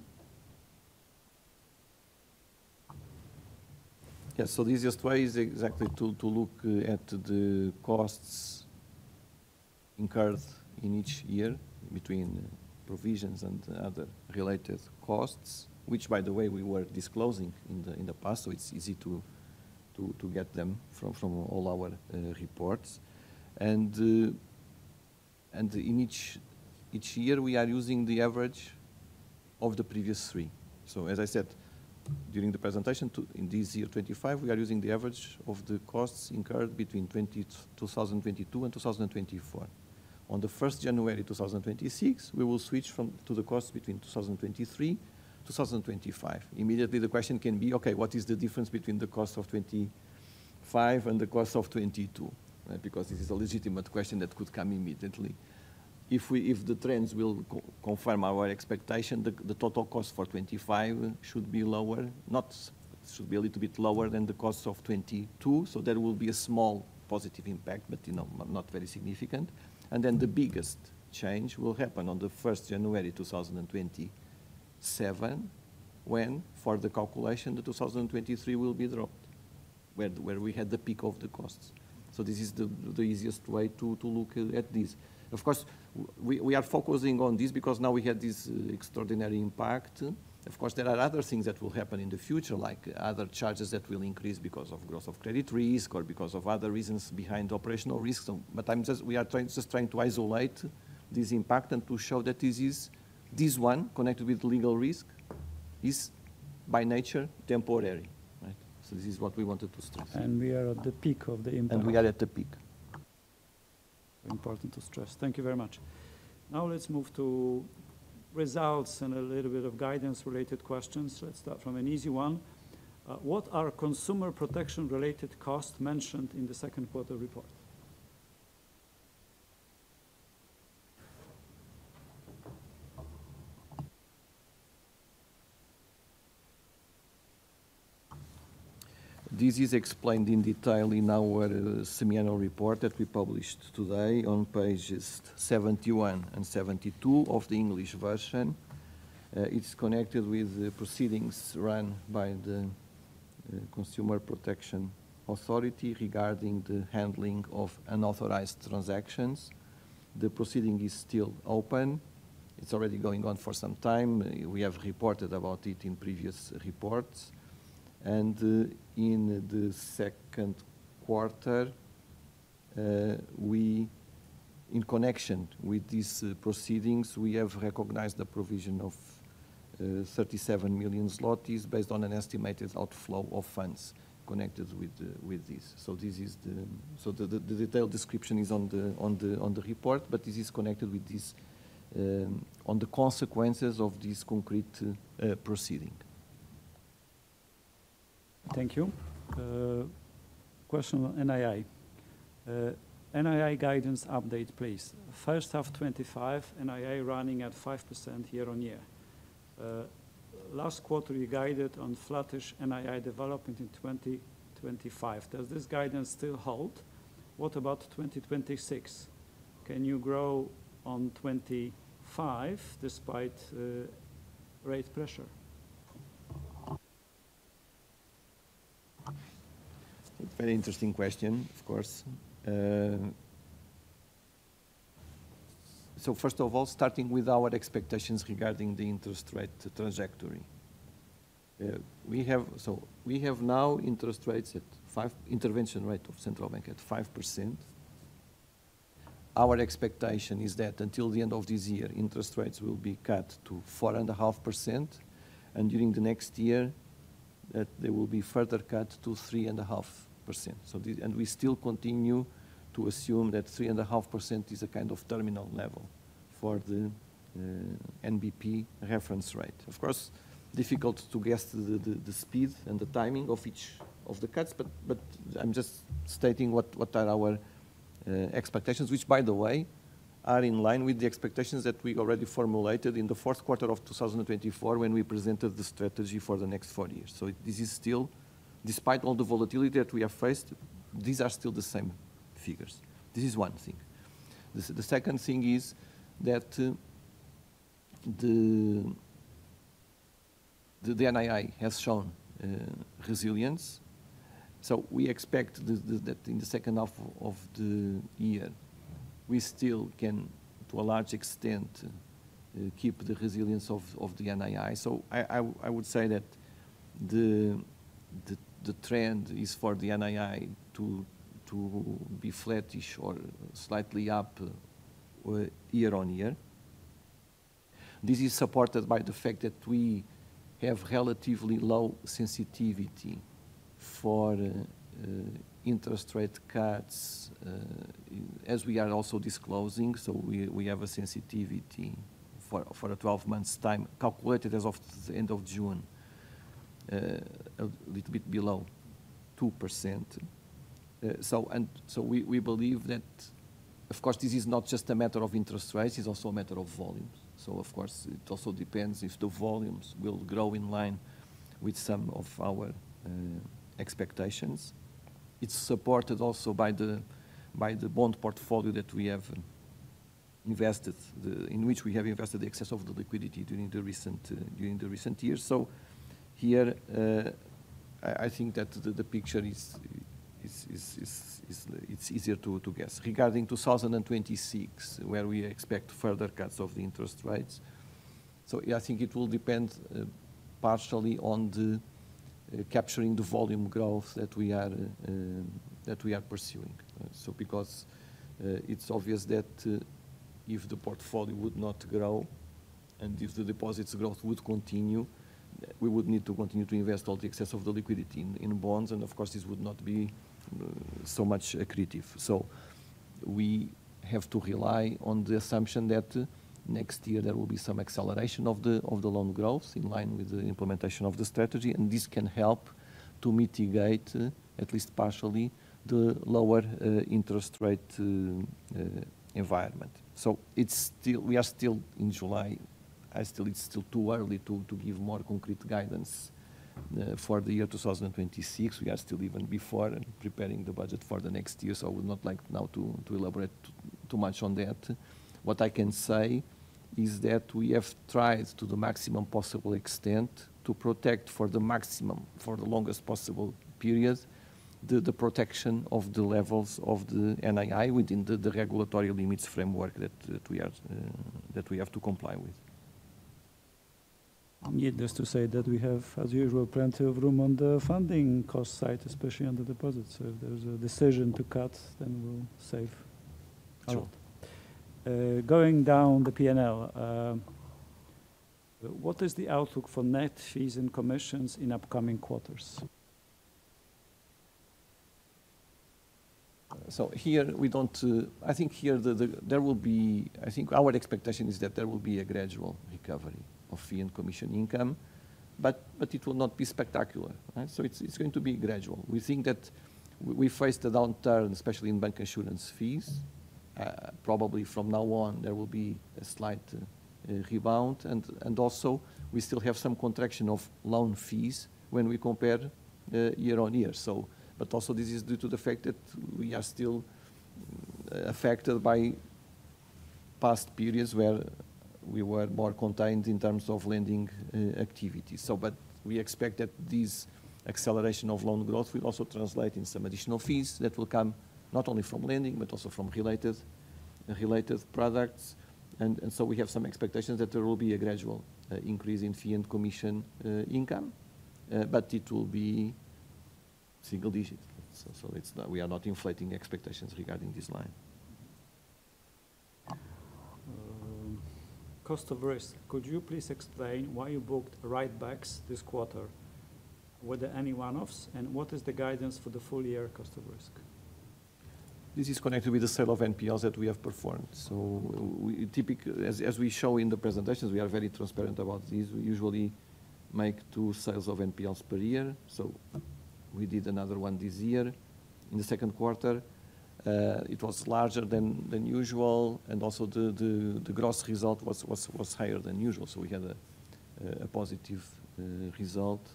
Yes. The easiest way is exactly to look at the costs incurred in each year between provisions and other related costs, costs which by the way we were disclosing in the past. It's easy to get them from all our reports. In each year we are using the average of the previous three. As I said during the presentation, in this year 2025 we are using the average of the costs incurred between 2022 and 2024. On January 1 to start 2026, we will switch to the cost between 2023 and 2025 immediately. The question can be, okay, what is the difference between the cost of 2025 and the cost of 2022? This is a legitimate question that could come immediately. If the trends will confirm our expectation, the total cost for 2025 should be a little bit lower than the cost of 2022. There will be a small positive impact but not very significant. The biggest change will happen on January 1, 2027 when for the calculation the 2023 will be dropped where we had the peak of the costs. This is the easiest way to look at this. Of course, we are focusing on this because now we had this extraordinary impact. There are other things that will happen in the future like other charges that will increase because of growth of credit risk or because of other reasons behind operational risks. We are just trying to isolate this impact and to show that this one connected with legal risk is by nature temporary. This is what we wanted to stress. And we are at the peak of the impact And we are at the peak. Important to stress. Thank you very much. Now let's move to results and a little bit of guidance related questions. Let's start from an easy one. What are consumer protection related costs mentioned in the second quarter report? This is explained in detail in our semiannual report that we published today on pages 71 and 1972 of the English version. It's connected with proceedings run by the Consumer Protection Authority regarding the handling of unauthorized transactions. The proceeding is still open. It's already going on for some time. We have reported about it in previous reports and in the second quarter. We in connection with these proceedings, we have recognized the provision of 37 million zlotys based on an estimated outflow of funds connected with this. The detailed description is in the report, but this is connected with the consequences of this concrete proceeding. Thank you. Question on NII, NII guidance update please. First half 2025 NII running at 5% year on year. Last quarter you guided on flattish NII development in 2025. Does this guidance still hold? What about 2026? Can you grow on 2025, this despite rate pressure? Very interesting question of course. First of all, starting with our expectations regarding the interest rate trajectory, we have now interest rates at 5%, intervention rate of central bank at 5%. Our expectation is that until the end of this year interest rates will be cut to 4.5% and during the next year that they will be further cut to 3.5%. We still continue to assume that 3.5% is a kind of terminal level for the NBP reference rate. Of course, it is difficult to guess the speed and the timing of each of the cuts, but I'm just stating what are our expectations, which by the way are in line with the expectations that we already formulated in the fourth quarter of 2024 when we presented the strategy for the next 40 years. This is still, despite all the volatility that we have faced, these are still the same figures. This is one thing. The second thing is that the NII has shown resilience. We expect that in the second half of the year we still can to a large extent keep the resilience of the NII. I would say that the trend is for the NII to be flattish or slightly up year on year. This is supported by the fact that we have relatively low sensitivity for interest rate cuts, as we are also disclosing. We have a sensitivity for a 12 months time calculated as of the end of June a little bit below 2%. We believe that of course this is not just a matter of interest rates, it's also a matter of volumes. It also depends if the volumes will grow in line with some of our expectations. It's supported also by the bond portfolio that we have invested in, which we have invested the excess of the liquidity during the recent years. Here I think that the picture is easier to guess regarding 2026, where we expect further cuts of the interest rates. I think it will depend partially on capturing the volume growth that we are pursuing. It is obvious that if the portfolio would not grow and if the deposits growth would continue, we would need to continue to invest all the excess of the liquidity in bonds. Of course, this would not be so much accretive. We have to rely on the assumption that next year there will be some acceleration of the loan growth in line with the implementation of the strategy. This can help to mitigate at least partially the lower interest rate environment. We are still in July. It's still too early to give more concrete guidance for the year 2026. We are still even before preparing the budget for the next year. I would not like now to elaborate too much on that. What I can say is that we have tried to the maximum possible extent to protect for the maximum, for the longest possible period, the protection of the levels of the NII within the regulatory limits framework that we have to comply with. Needless to say that we have as usual plenty of room on the funding cost side, especially on the deposits. If there's a decision to cut, then we'll save going down the P&L. What is the outlook for net fees and commissions in upcoming quarters? I think our expectation is that there will be a gradual recovery of fee and commission income, but it will not be spectacular. It's going to be gradual. We think that we face the downturn especially in bancassurance fees. Probably from now on there will be a slight rebound and also we still have some contraction of loan fees when we compare year on year. This is due to the fact that we are still affected by past periods where we were more contained in terms of lending activity. We expect that this acceleration of loan growth will also translate in some additional fees that will come not only from lending but also from related products. We have some expectations that there will be a gradual increase in fee and commission income, but it will be single digit. We are not inflating expectations regarding this line. Cost of risk. Could you please explain why you booked write backs this quarter? Were there any one offs, and what is the guidance for the full year? Cost of risk. This is connected with the sale of NPLs that we have performed. Typically, as we show in the presentations, we are very transparent about these. We usually make two sales of NPLs per year. We did another one this year in the second quarter. It was larger than usual, and also the gross result was higher than usual. We had a positive result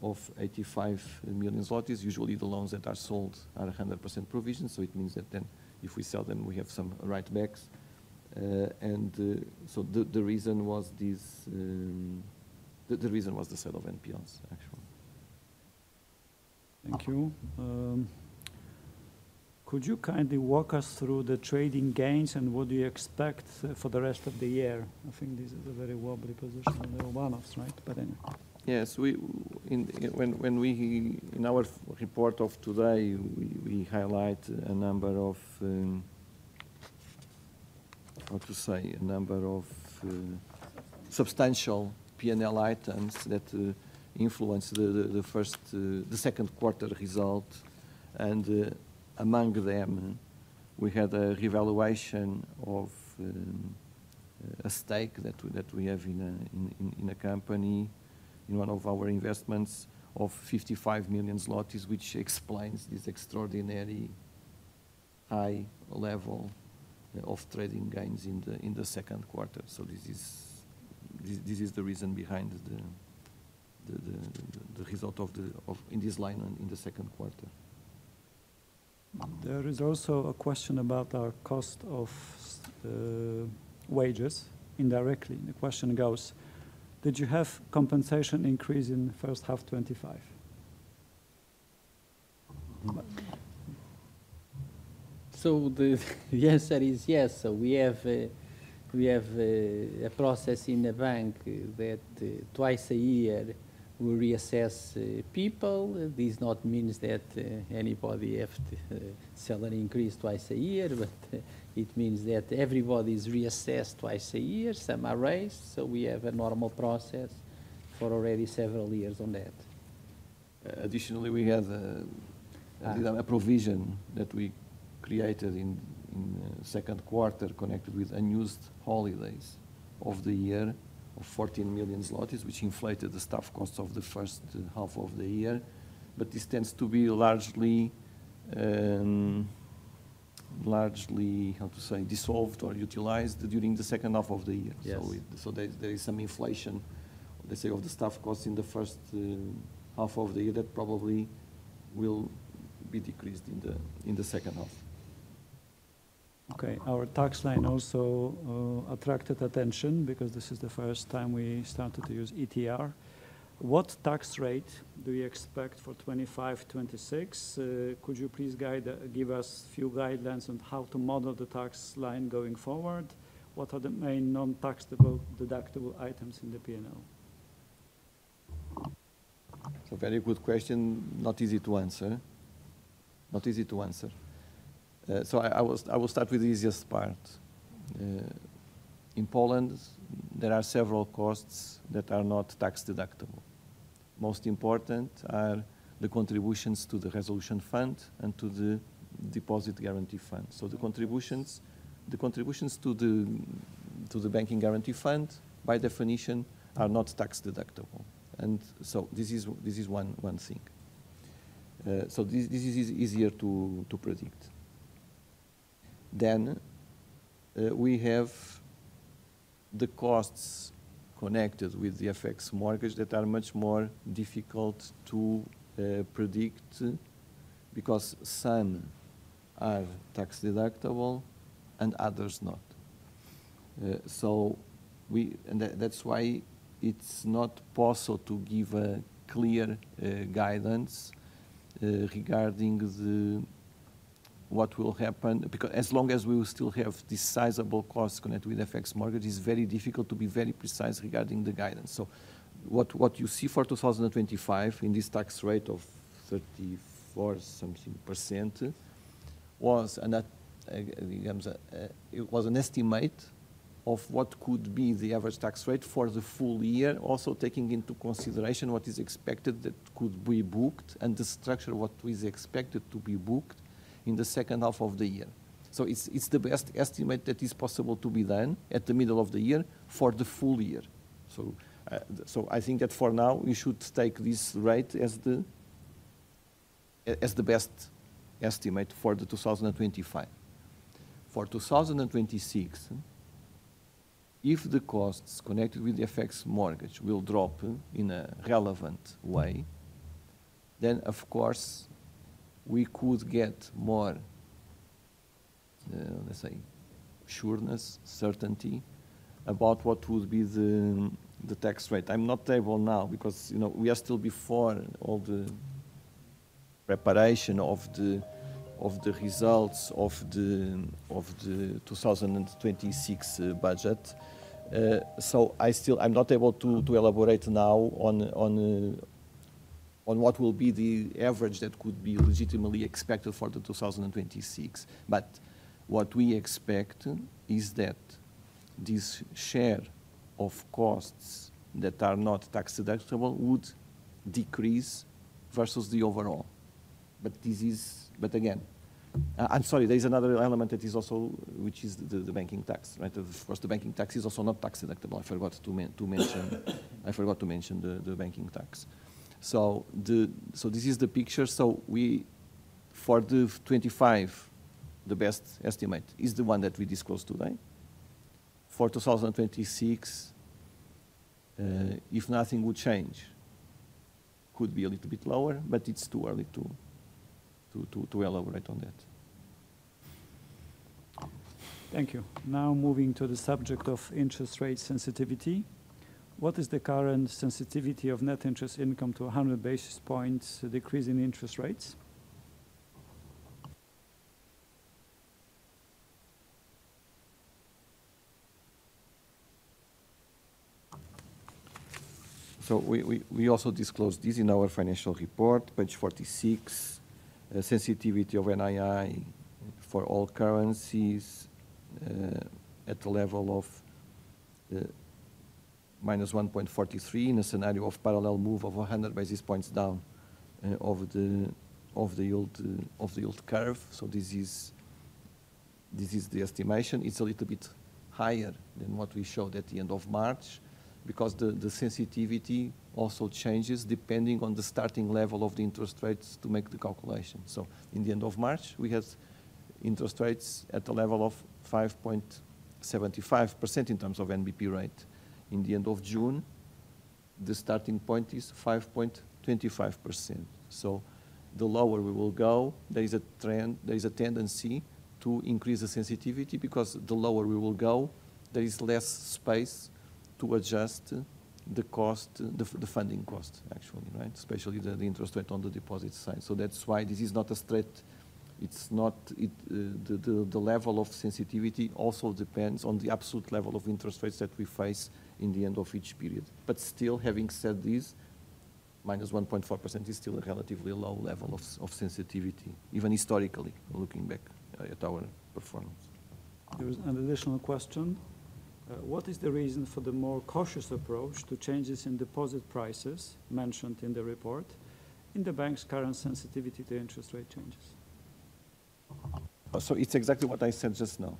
of 85 million zlotys. Usually, the loans that are sold are 100% provision. It means that if we sell them, we have some write backs. The reason was this. The reason was the sale of NPLs, actually. Thank you. Could you kindly walk us through the trading gains and what do you expect for the rest of the year? I think this is a very wobbly position in Romanovs. Right. Yes, in our report of today we highlight a number of, how to say, a number of substantial P&L items that influenced the first, the second quarter result. Among them we had a revaluation of a stake that we have in a company in one of our investments of 55 million zlotys, which explains this extraordinary high level of trading gains in the second quarter. This is the reason behind the result in this line in the second quarter. There is also a question about our cost of wages. Indirectly, the question goes, did you have compensation increase in first half? 25. Yes, we have. We have a process in the bank that twice a year we reassess people. This does not mean that anybody has to have a salary increase twice a year, but it means that everybody is reassessed twice a year, some are raised. We have a normal process for already several years on that. Additionally, we have a provision that we created in the second quarter connected with unused holidays of the year of 14 million zlotys, which inflated the staff cost of the first half of the year. This tends to be largely, largely, how to say, dissolved or utilized during the second half of the year. There is some inflation, let's say, all the staff costs in the first half of the year that probably will be decreased in the second half. Okay. Our tax line also attracted attention because this is the first time we started to use ETR. What tax rate do you expect for 2025, 2026? Could you please give us a few guidelines on how to model the tax line going forward? What are the main non-taxable deductible items in the P&L? A very good question. Not easy to answer. Not easy to answer. I will start with the easiest part. In Poland there are several costs that are not tax deductible. Most important are the contributions to the Resolution Fund and to the Deposit Guarantee Fund. The contributions to the Banking Guarantee Fund by definition are not tax deductible. This is one thing, this is easier to predict. We have the costs connected with the FX mortgage that are much more difficult to predict because some are tax deductible and others not. That's why it's not possible to give clear guidance regarding what will happen because as long as we will still have this sizable cost connected with FX mortgage, it's very difficult to be very precise regarding the guidance. What you see for 2025 in this tax rate of 34% was an estimate of what could be the average tax rate for the full year, also taking into consideration what is expected that could be booked and the structure of what is expected to be booked in the second half of the year. It's the best estimate that is possible to be then at the middle of the year for the full year. I think that for now we should take this rate as the best estimate for 2025. For 2026, if the costs connected with the FX mortgage will drop in a relevant way, of course we could get more certainty about what would be the tax rate. I'm not able now because, you know, we are still before all the preparation of the results of the 2026 budget. I still, I'm not able to elaborate now on what will be the average that could be legitimately expected for 2026. What we expect is that this share of costs that are not tax deductible would decrease versus the overall. Again, I'm sorry, there's another element that is also which is the banking tax, right? Of course, the banking tax is also not tax deductible. I forgot to mention the banking tax. This is the picture. For 2025, the best estimate is the one that we disclosed today. For 2026, if nothing would change, could be a little bit lower. It's too early to elaborate on that. Thank you. Now, moving to the subject of interest rate sensitivity. What is the current sensitivity of net interest income to 100 basis points decrease in interest rates? We also disclosed this in our financial report, page 46, sensitivity of NII for all currencies at the level of minus 1.43% in a scenario of parallel move of 100 basis points down of the yield curve. This is the estimation. It's a little bit higher than what we showed at the end of March because the sensitivity also changes depending on the starting level of the interest rates to make the calculation. At the end of March, we have interest rates at the level of 5.75% in terms of NBP rate. At the end of June, the starting point is 5.25%. The lower we will go, there is a trend. There is a tendency to increase the sensitivity because the lower we will go, there is less space to adjust the cost, the funding cost actually, especially the interest rate on the deposit side. That's why this is not a threat. It's not. The level of sensitivity also depends on the absolute level of interest rates that we face at the end of each period. Still, having said this, minus 1.4% is still a relatively low level of sensitivity, even historically. Looking back at our performance, there is an additional question. What is the reason for the more cautious approach to changes in deposit prices mentioned in the report in the bank's current sensitivity to interest rate changes? It's exactly what I said just now.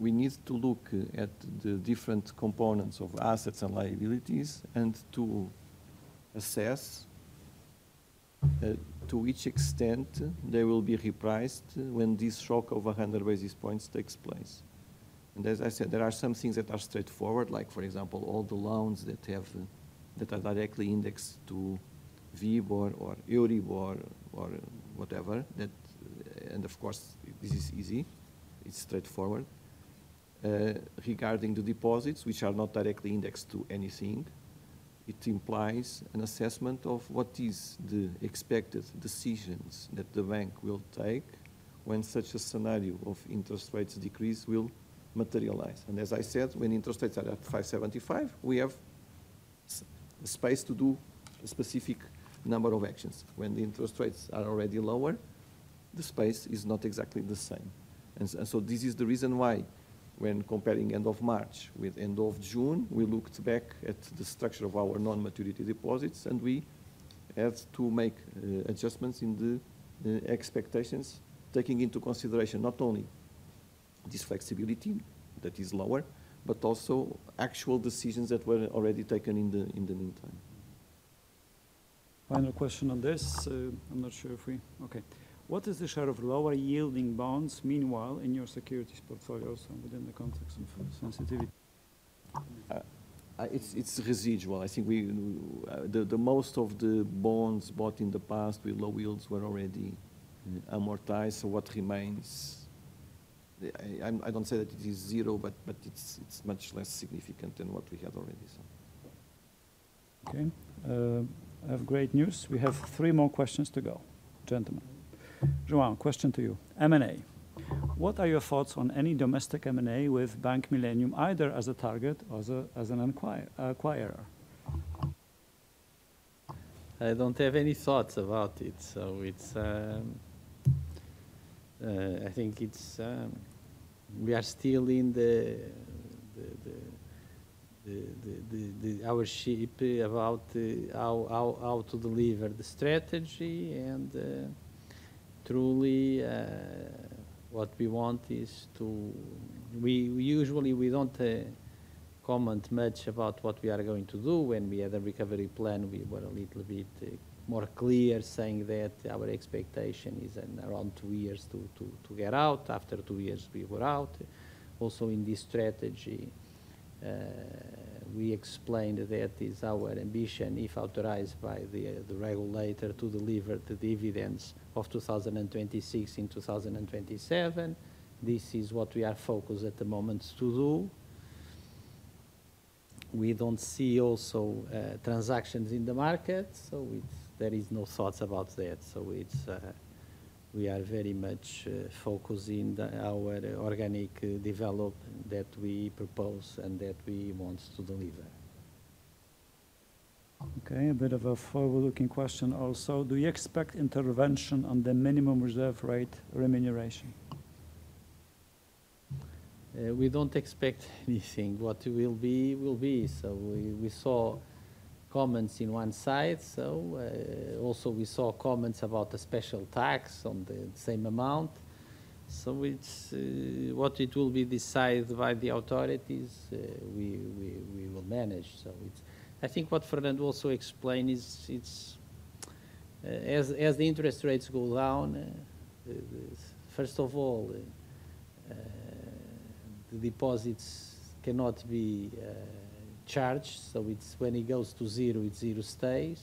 We need to look at the different components of assets and liabilities to assess to which extent they will be repriced when this shock of 100 basis points takes place. As I said, there are some things that are straightforward, like for example, all the loans that are directly indexed to WIBOR or Euribor or whatever. Of course, this is easy, it's straightforward. Regarding the deposits which are not directly indexed to anything, it implies an assessment of what is the expected decisions that the bank will take when such a scenario of interest rates decrease will materialize. As I said, when interest rates are at 5.75%, we have space to do a specific number of actions. When the interest rates are already lower, the space is not exactly the same. This is the reason why when comparing end of March with end of June, we looked back at the structure of our non-maturity deposits and we had to make adjustments in the expectations, taking into consideration not only this flexibility that is lower, but also actual decisions that were already taken in the meantime. Final question on this. I'm not sure if we, okay, what is the share of lower yielding bonds meanwhile in your securities portfolios within the context of sensitivity. It's residual. I think most of the bonds bought in the past with low yields were already amortized. What remains, I don't say that it is zero, but it's much less significant than what we had already. Okay, I have great news. We have three more questions to go. Gentlemen, Joao, question to you. M&A. What are your thoughts on any domestic M&A with Bank Millennium either as a target or as an acquirer? I don't have any thoughts about it. I think it's. We are still in our ship about how to deliver the strategy. Truly what we want is to. Usually we don't comment much about what we are going to do. When we had a recovery plan we were a little bit more clear, saying that our expectation is around two years to get out. After two years we were out. Also, in this strategy we explained that it is our ambition, if authorized by the regulator, to deliver the dividends of 2026 in 2027. This is what we are focused at the moment to do. We don't see also transactions in the markets, so there is no thoughts about that. We are very much focusing our organic development that we propose and that we want to deliver. Okay, a bit of a forward-looking question. Also, do you expect intervention on the minimum reserve rate remuneration? We don't expect anything. What will be will be. We saw comments on one side. We also saw comments about the special tax on the same amount. It is what will be decided by the authorities; we will manage. I think what Fernando also explained is as the interest rates go down, first of all, the deposits cannot be charged. When it goes to zero, it stays.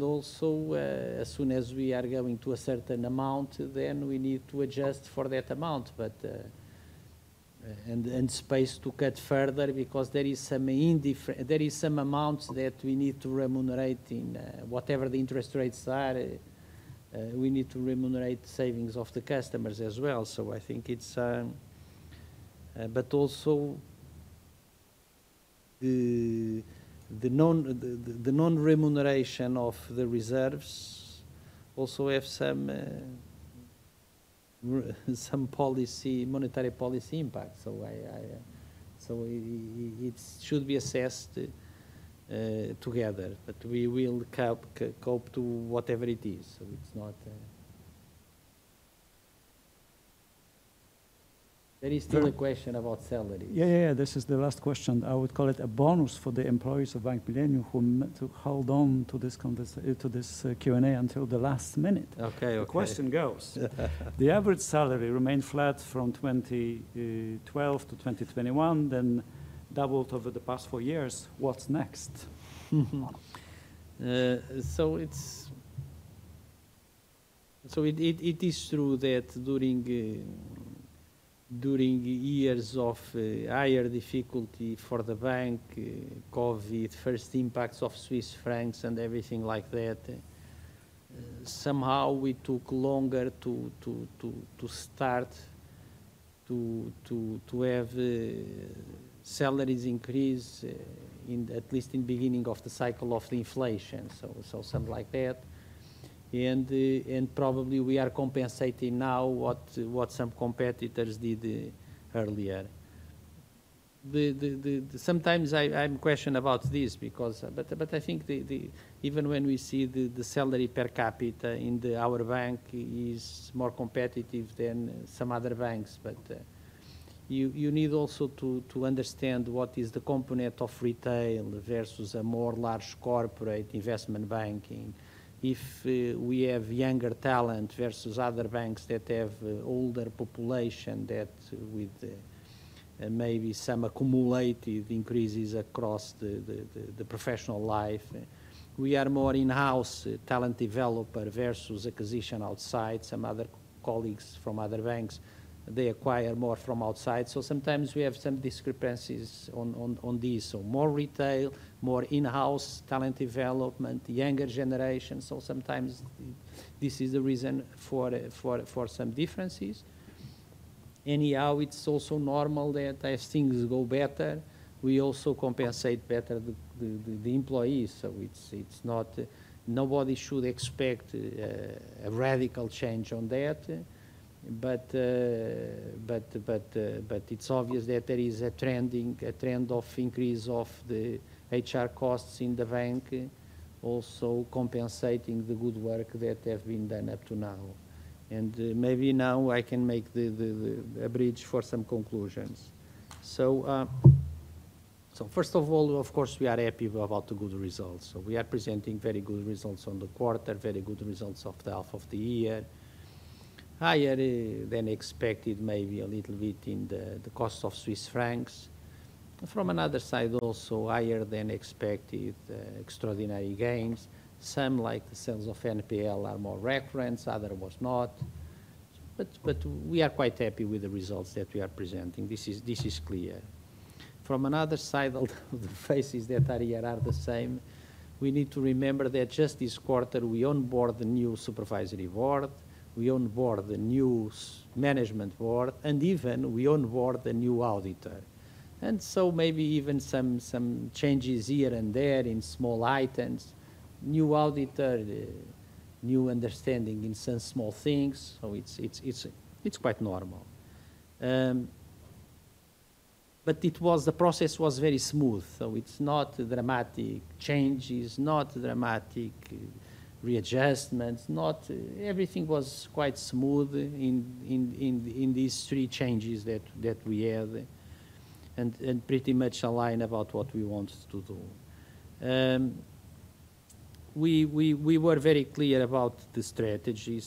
Also, as soon as we are going to a certain amount, then we need to adjust for that amount and space to cut further because there are some amounts that we need to remunerate in whatever the interest rates are. We need to remunerate savings of the customers as well. I think it's, but also the non-remuneration of the reserves also has some policy, monetary policy impact. It should be assessed together. We will cope to whatever it is. It's not, there is still a question about salary. Yeah, this is the last question. I would call it a bonus for the employees of Bank Millennium who hold on to this conversation, to this Q and A until the last minute. Okay, the question goes. The average salary remained flat from 2020 to 2021, then doubled over the past four years. What's next? It is true that during years of higher difficulty for the bank, Covid, first impacts of Swiss francs and everything like that, somehow we took longer to start to have salaries increase, at least in the beginning of the cycle of inflation. Something like that, and probably we are compensating now what some competitors did earlier. Sometimes I'm questioned about this, but I think even when we see the salary per capita in our bank, it is more competitive than some other banks. You need also to understand what is the component of retail versus a more large corporate investment banking. If we have younger talent versus other banks that have older population with maybe some accumulated increase across the professional life, we are more in-house talent developer versus acquisition outside. Some other colleagues from other banks, they acquire more from outside. Sometimes we have some discrepancies on these. More retail, more in-house talent development, younger generation. Sometimes this is the reason for some differences. Anyhow, it is also normal that as things go better, we also compensate better the employees. Nobody should expect a radical change on that. It is obvious that there is a trend of increase of the HR costs in the bank, also compensating the good work that has been done up to now. Maybe now I can make a bridge for some conclusions. First of all, of course, we are happy about the good results. We are presenting very good results on the quarter, very good results of the half of the year, higher than expected, maybe a little bit in the cost of Swiss francs from another side, also higher than expected, extraordinary gains. Some, like the sales of NPL, are more reference, others was not. We are quite happy with the results that we are presenting. This is clear. From another side, the faces that are here are the same. We need to remember that just this quarter we onboard the new Supervisory Board, we onboard the new Management Board, and even we onboard the new audit. Maybe even some changes here and there in small items, new auditor, new understanding in some small things. It is quite normal. The process was very smooth. It is not dramatic changes, not dramatic readjustments. Everything was quite smooth in these three changes that we have and pretty much align about what we want to do. We were very clear about the strategy.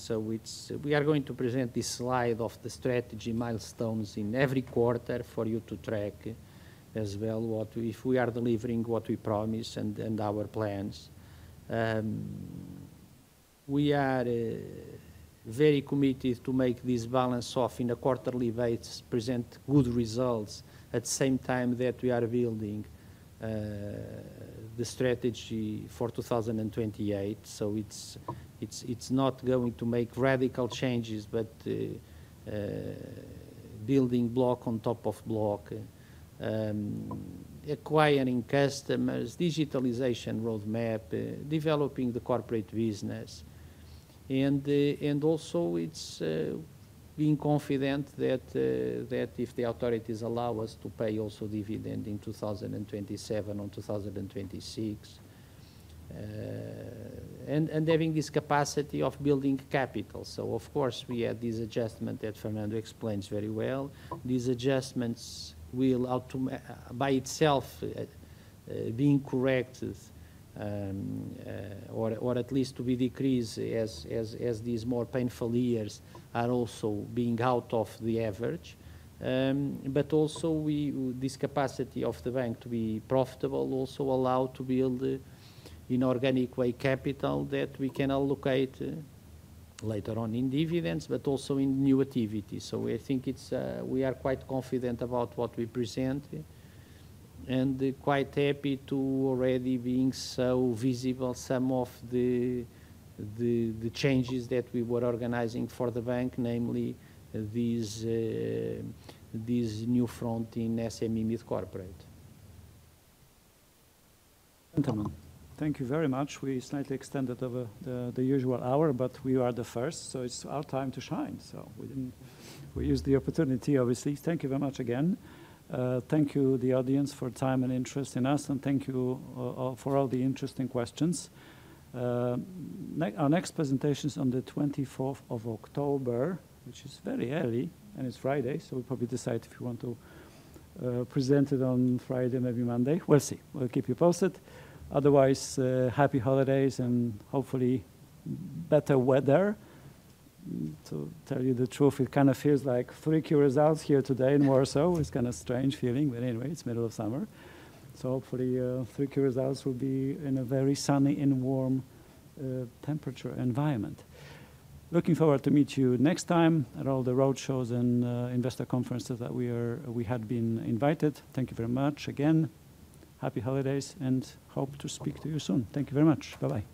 We are going to present this slide of the strategy milestones in every quarter for you to track as well. If we are delivering what we promise and our plans, we are very committed to make this balance off in a quarterly basis, present good results at the same time that we are building the strategy for 2028. It is not going to make radical changes, but building block on top of block. According to acquiring customers, digitalization, roadmap, developing the corporate business. It is also being confident that if the authorities allow us to pay also dividend in 2027 or 2026 and having this capacity of building capital. Of course, we had this adjustment that Fernando explains very well. These adjustments will by itself be incorrect or at least to be decreased as these more painful years are also being out of the average. Also, this capacity of the bank to be profitable also allow to build inorganic way capital that we can allocate later on in dividends, but also in new activities. We think we are quite confident about what we present and quite happy to already being so visible some of the changes that we were organizing for the bank. Namely this new front in SME myth corporate. Gentlemen, thank you very much. We slightly extended over the usual hour, but we are the first so it's our time to shine. We used the opportunity obviously. Thank you very much again. Thank you to the audience for time and interest in us, and thank you for all the interesting questions. Our next presentation is on the 24th of October, which is very early and it's Friday, so we'll probably decide if you want to present it on Friday, maybe Monday. We'll see. We'll keep you posted. Otherwise, happy holidays and hopefully better weather. To tell you the truth, it kind of feels like 3Q results here today in Warsaw. It's kind of a strange feeling, but anyway, it's the middle of summer, so hopefully 3Q results will be in a very sunny and warm temperature environment. Looking forward to meeting you next time at all the road shows and investor conferences that we have been invited to. Thank you very much again. Happy holidays and hope to speak to you soon. Thank you very much. Bye bye.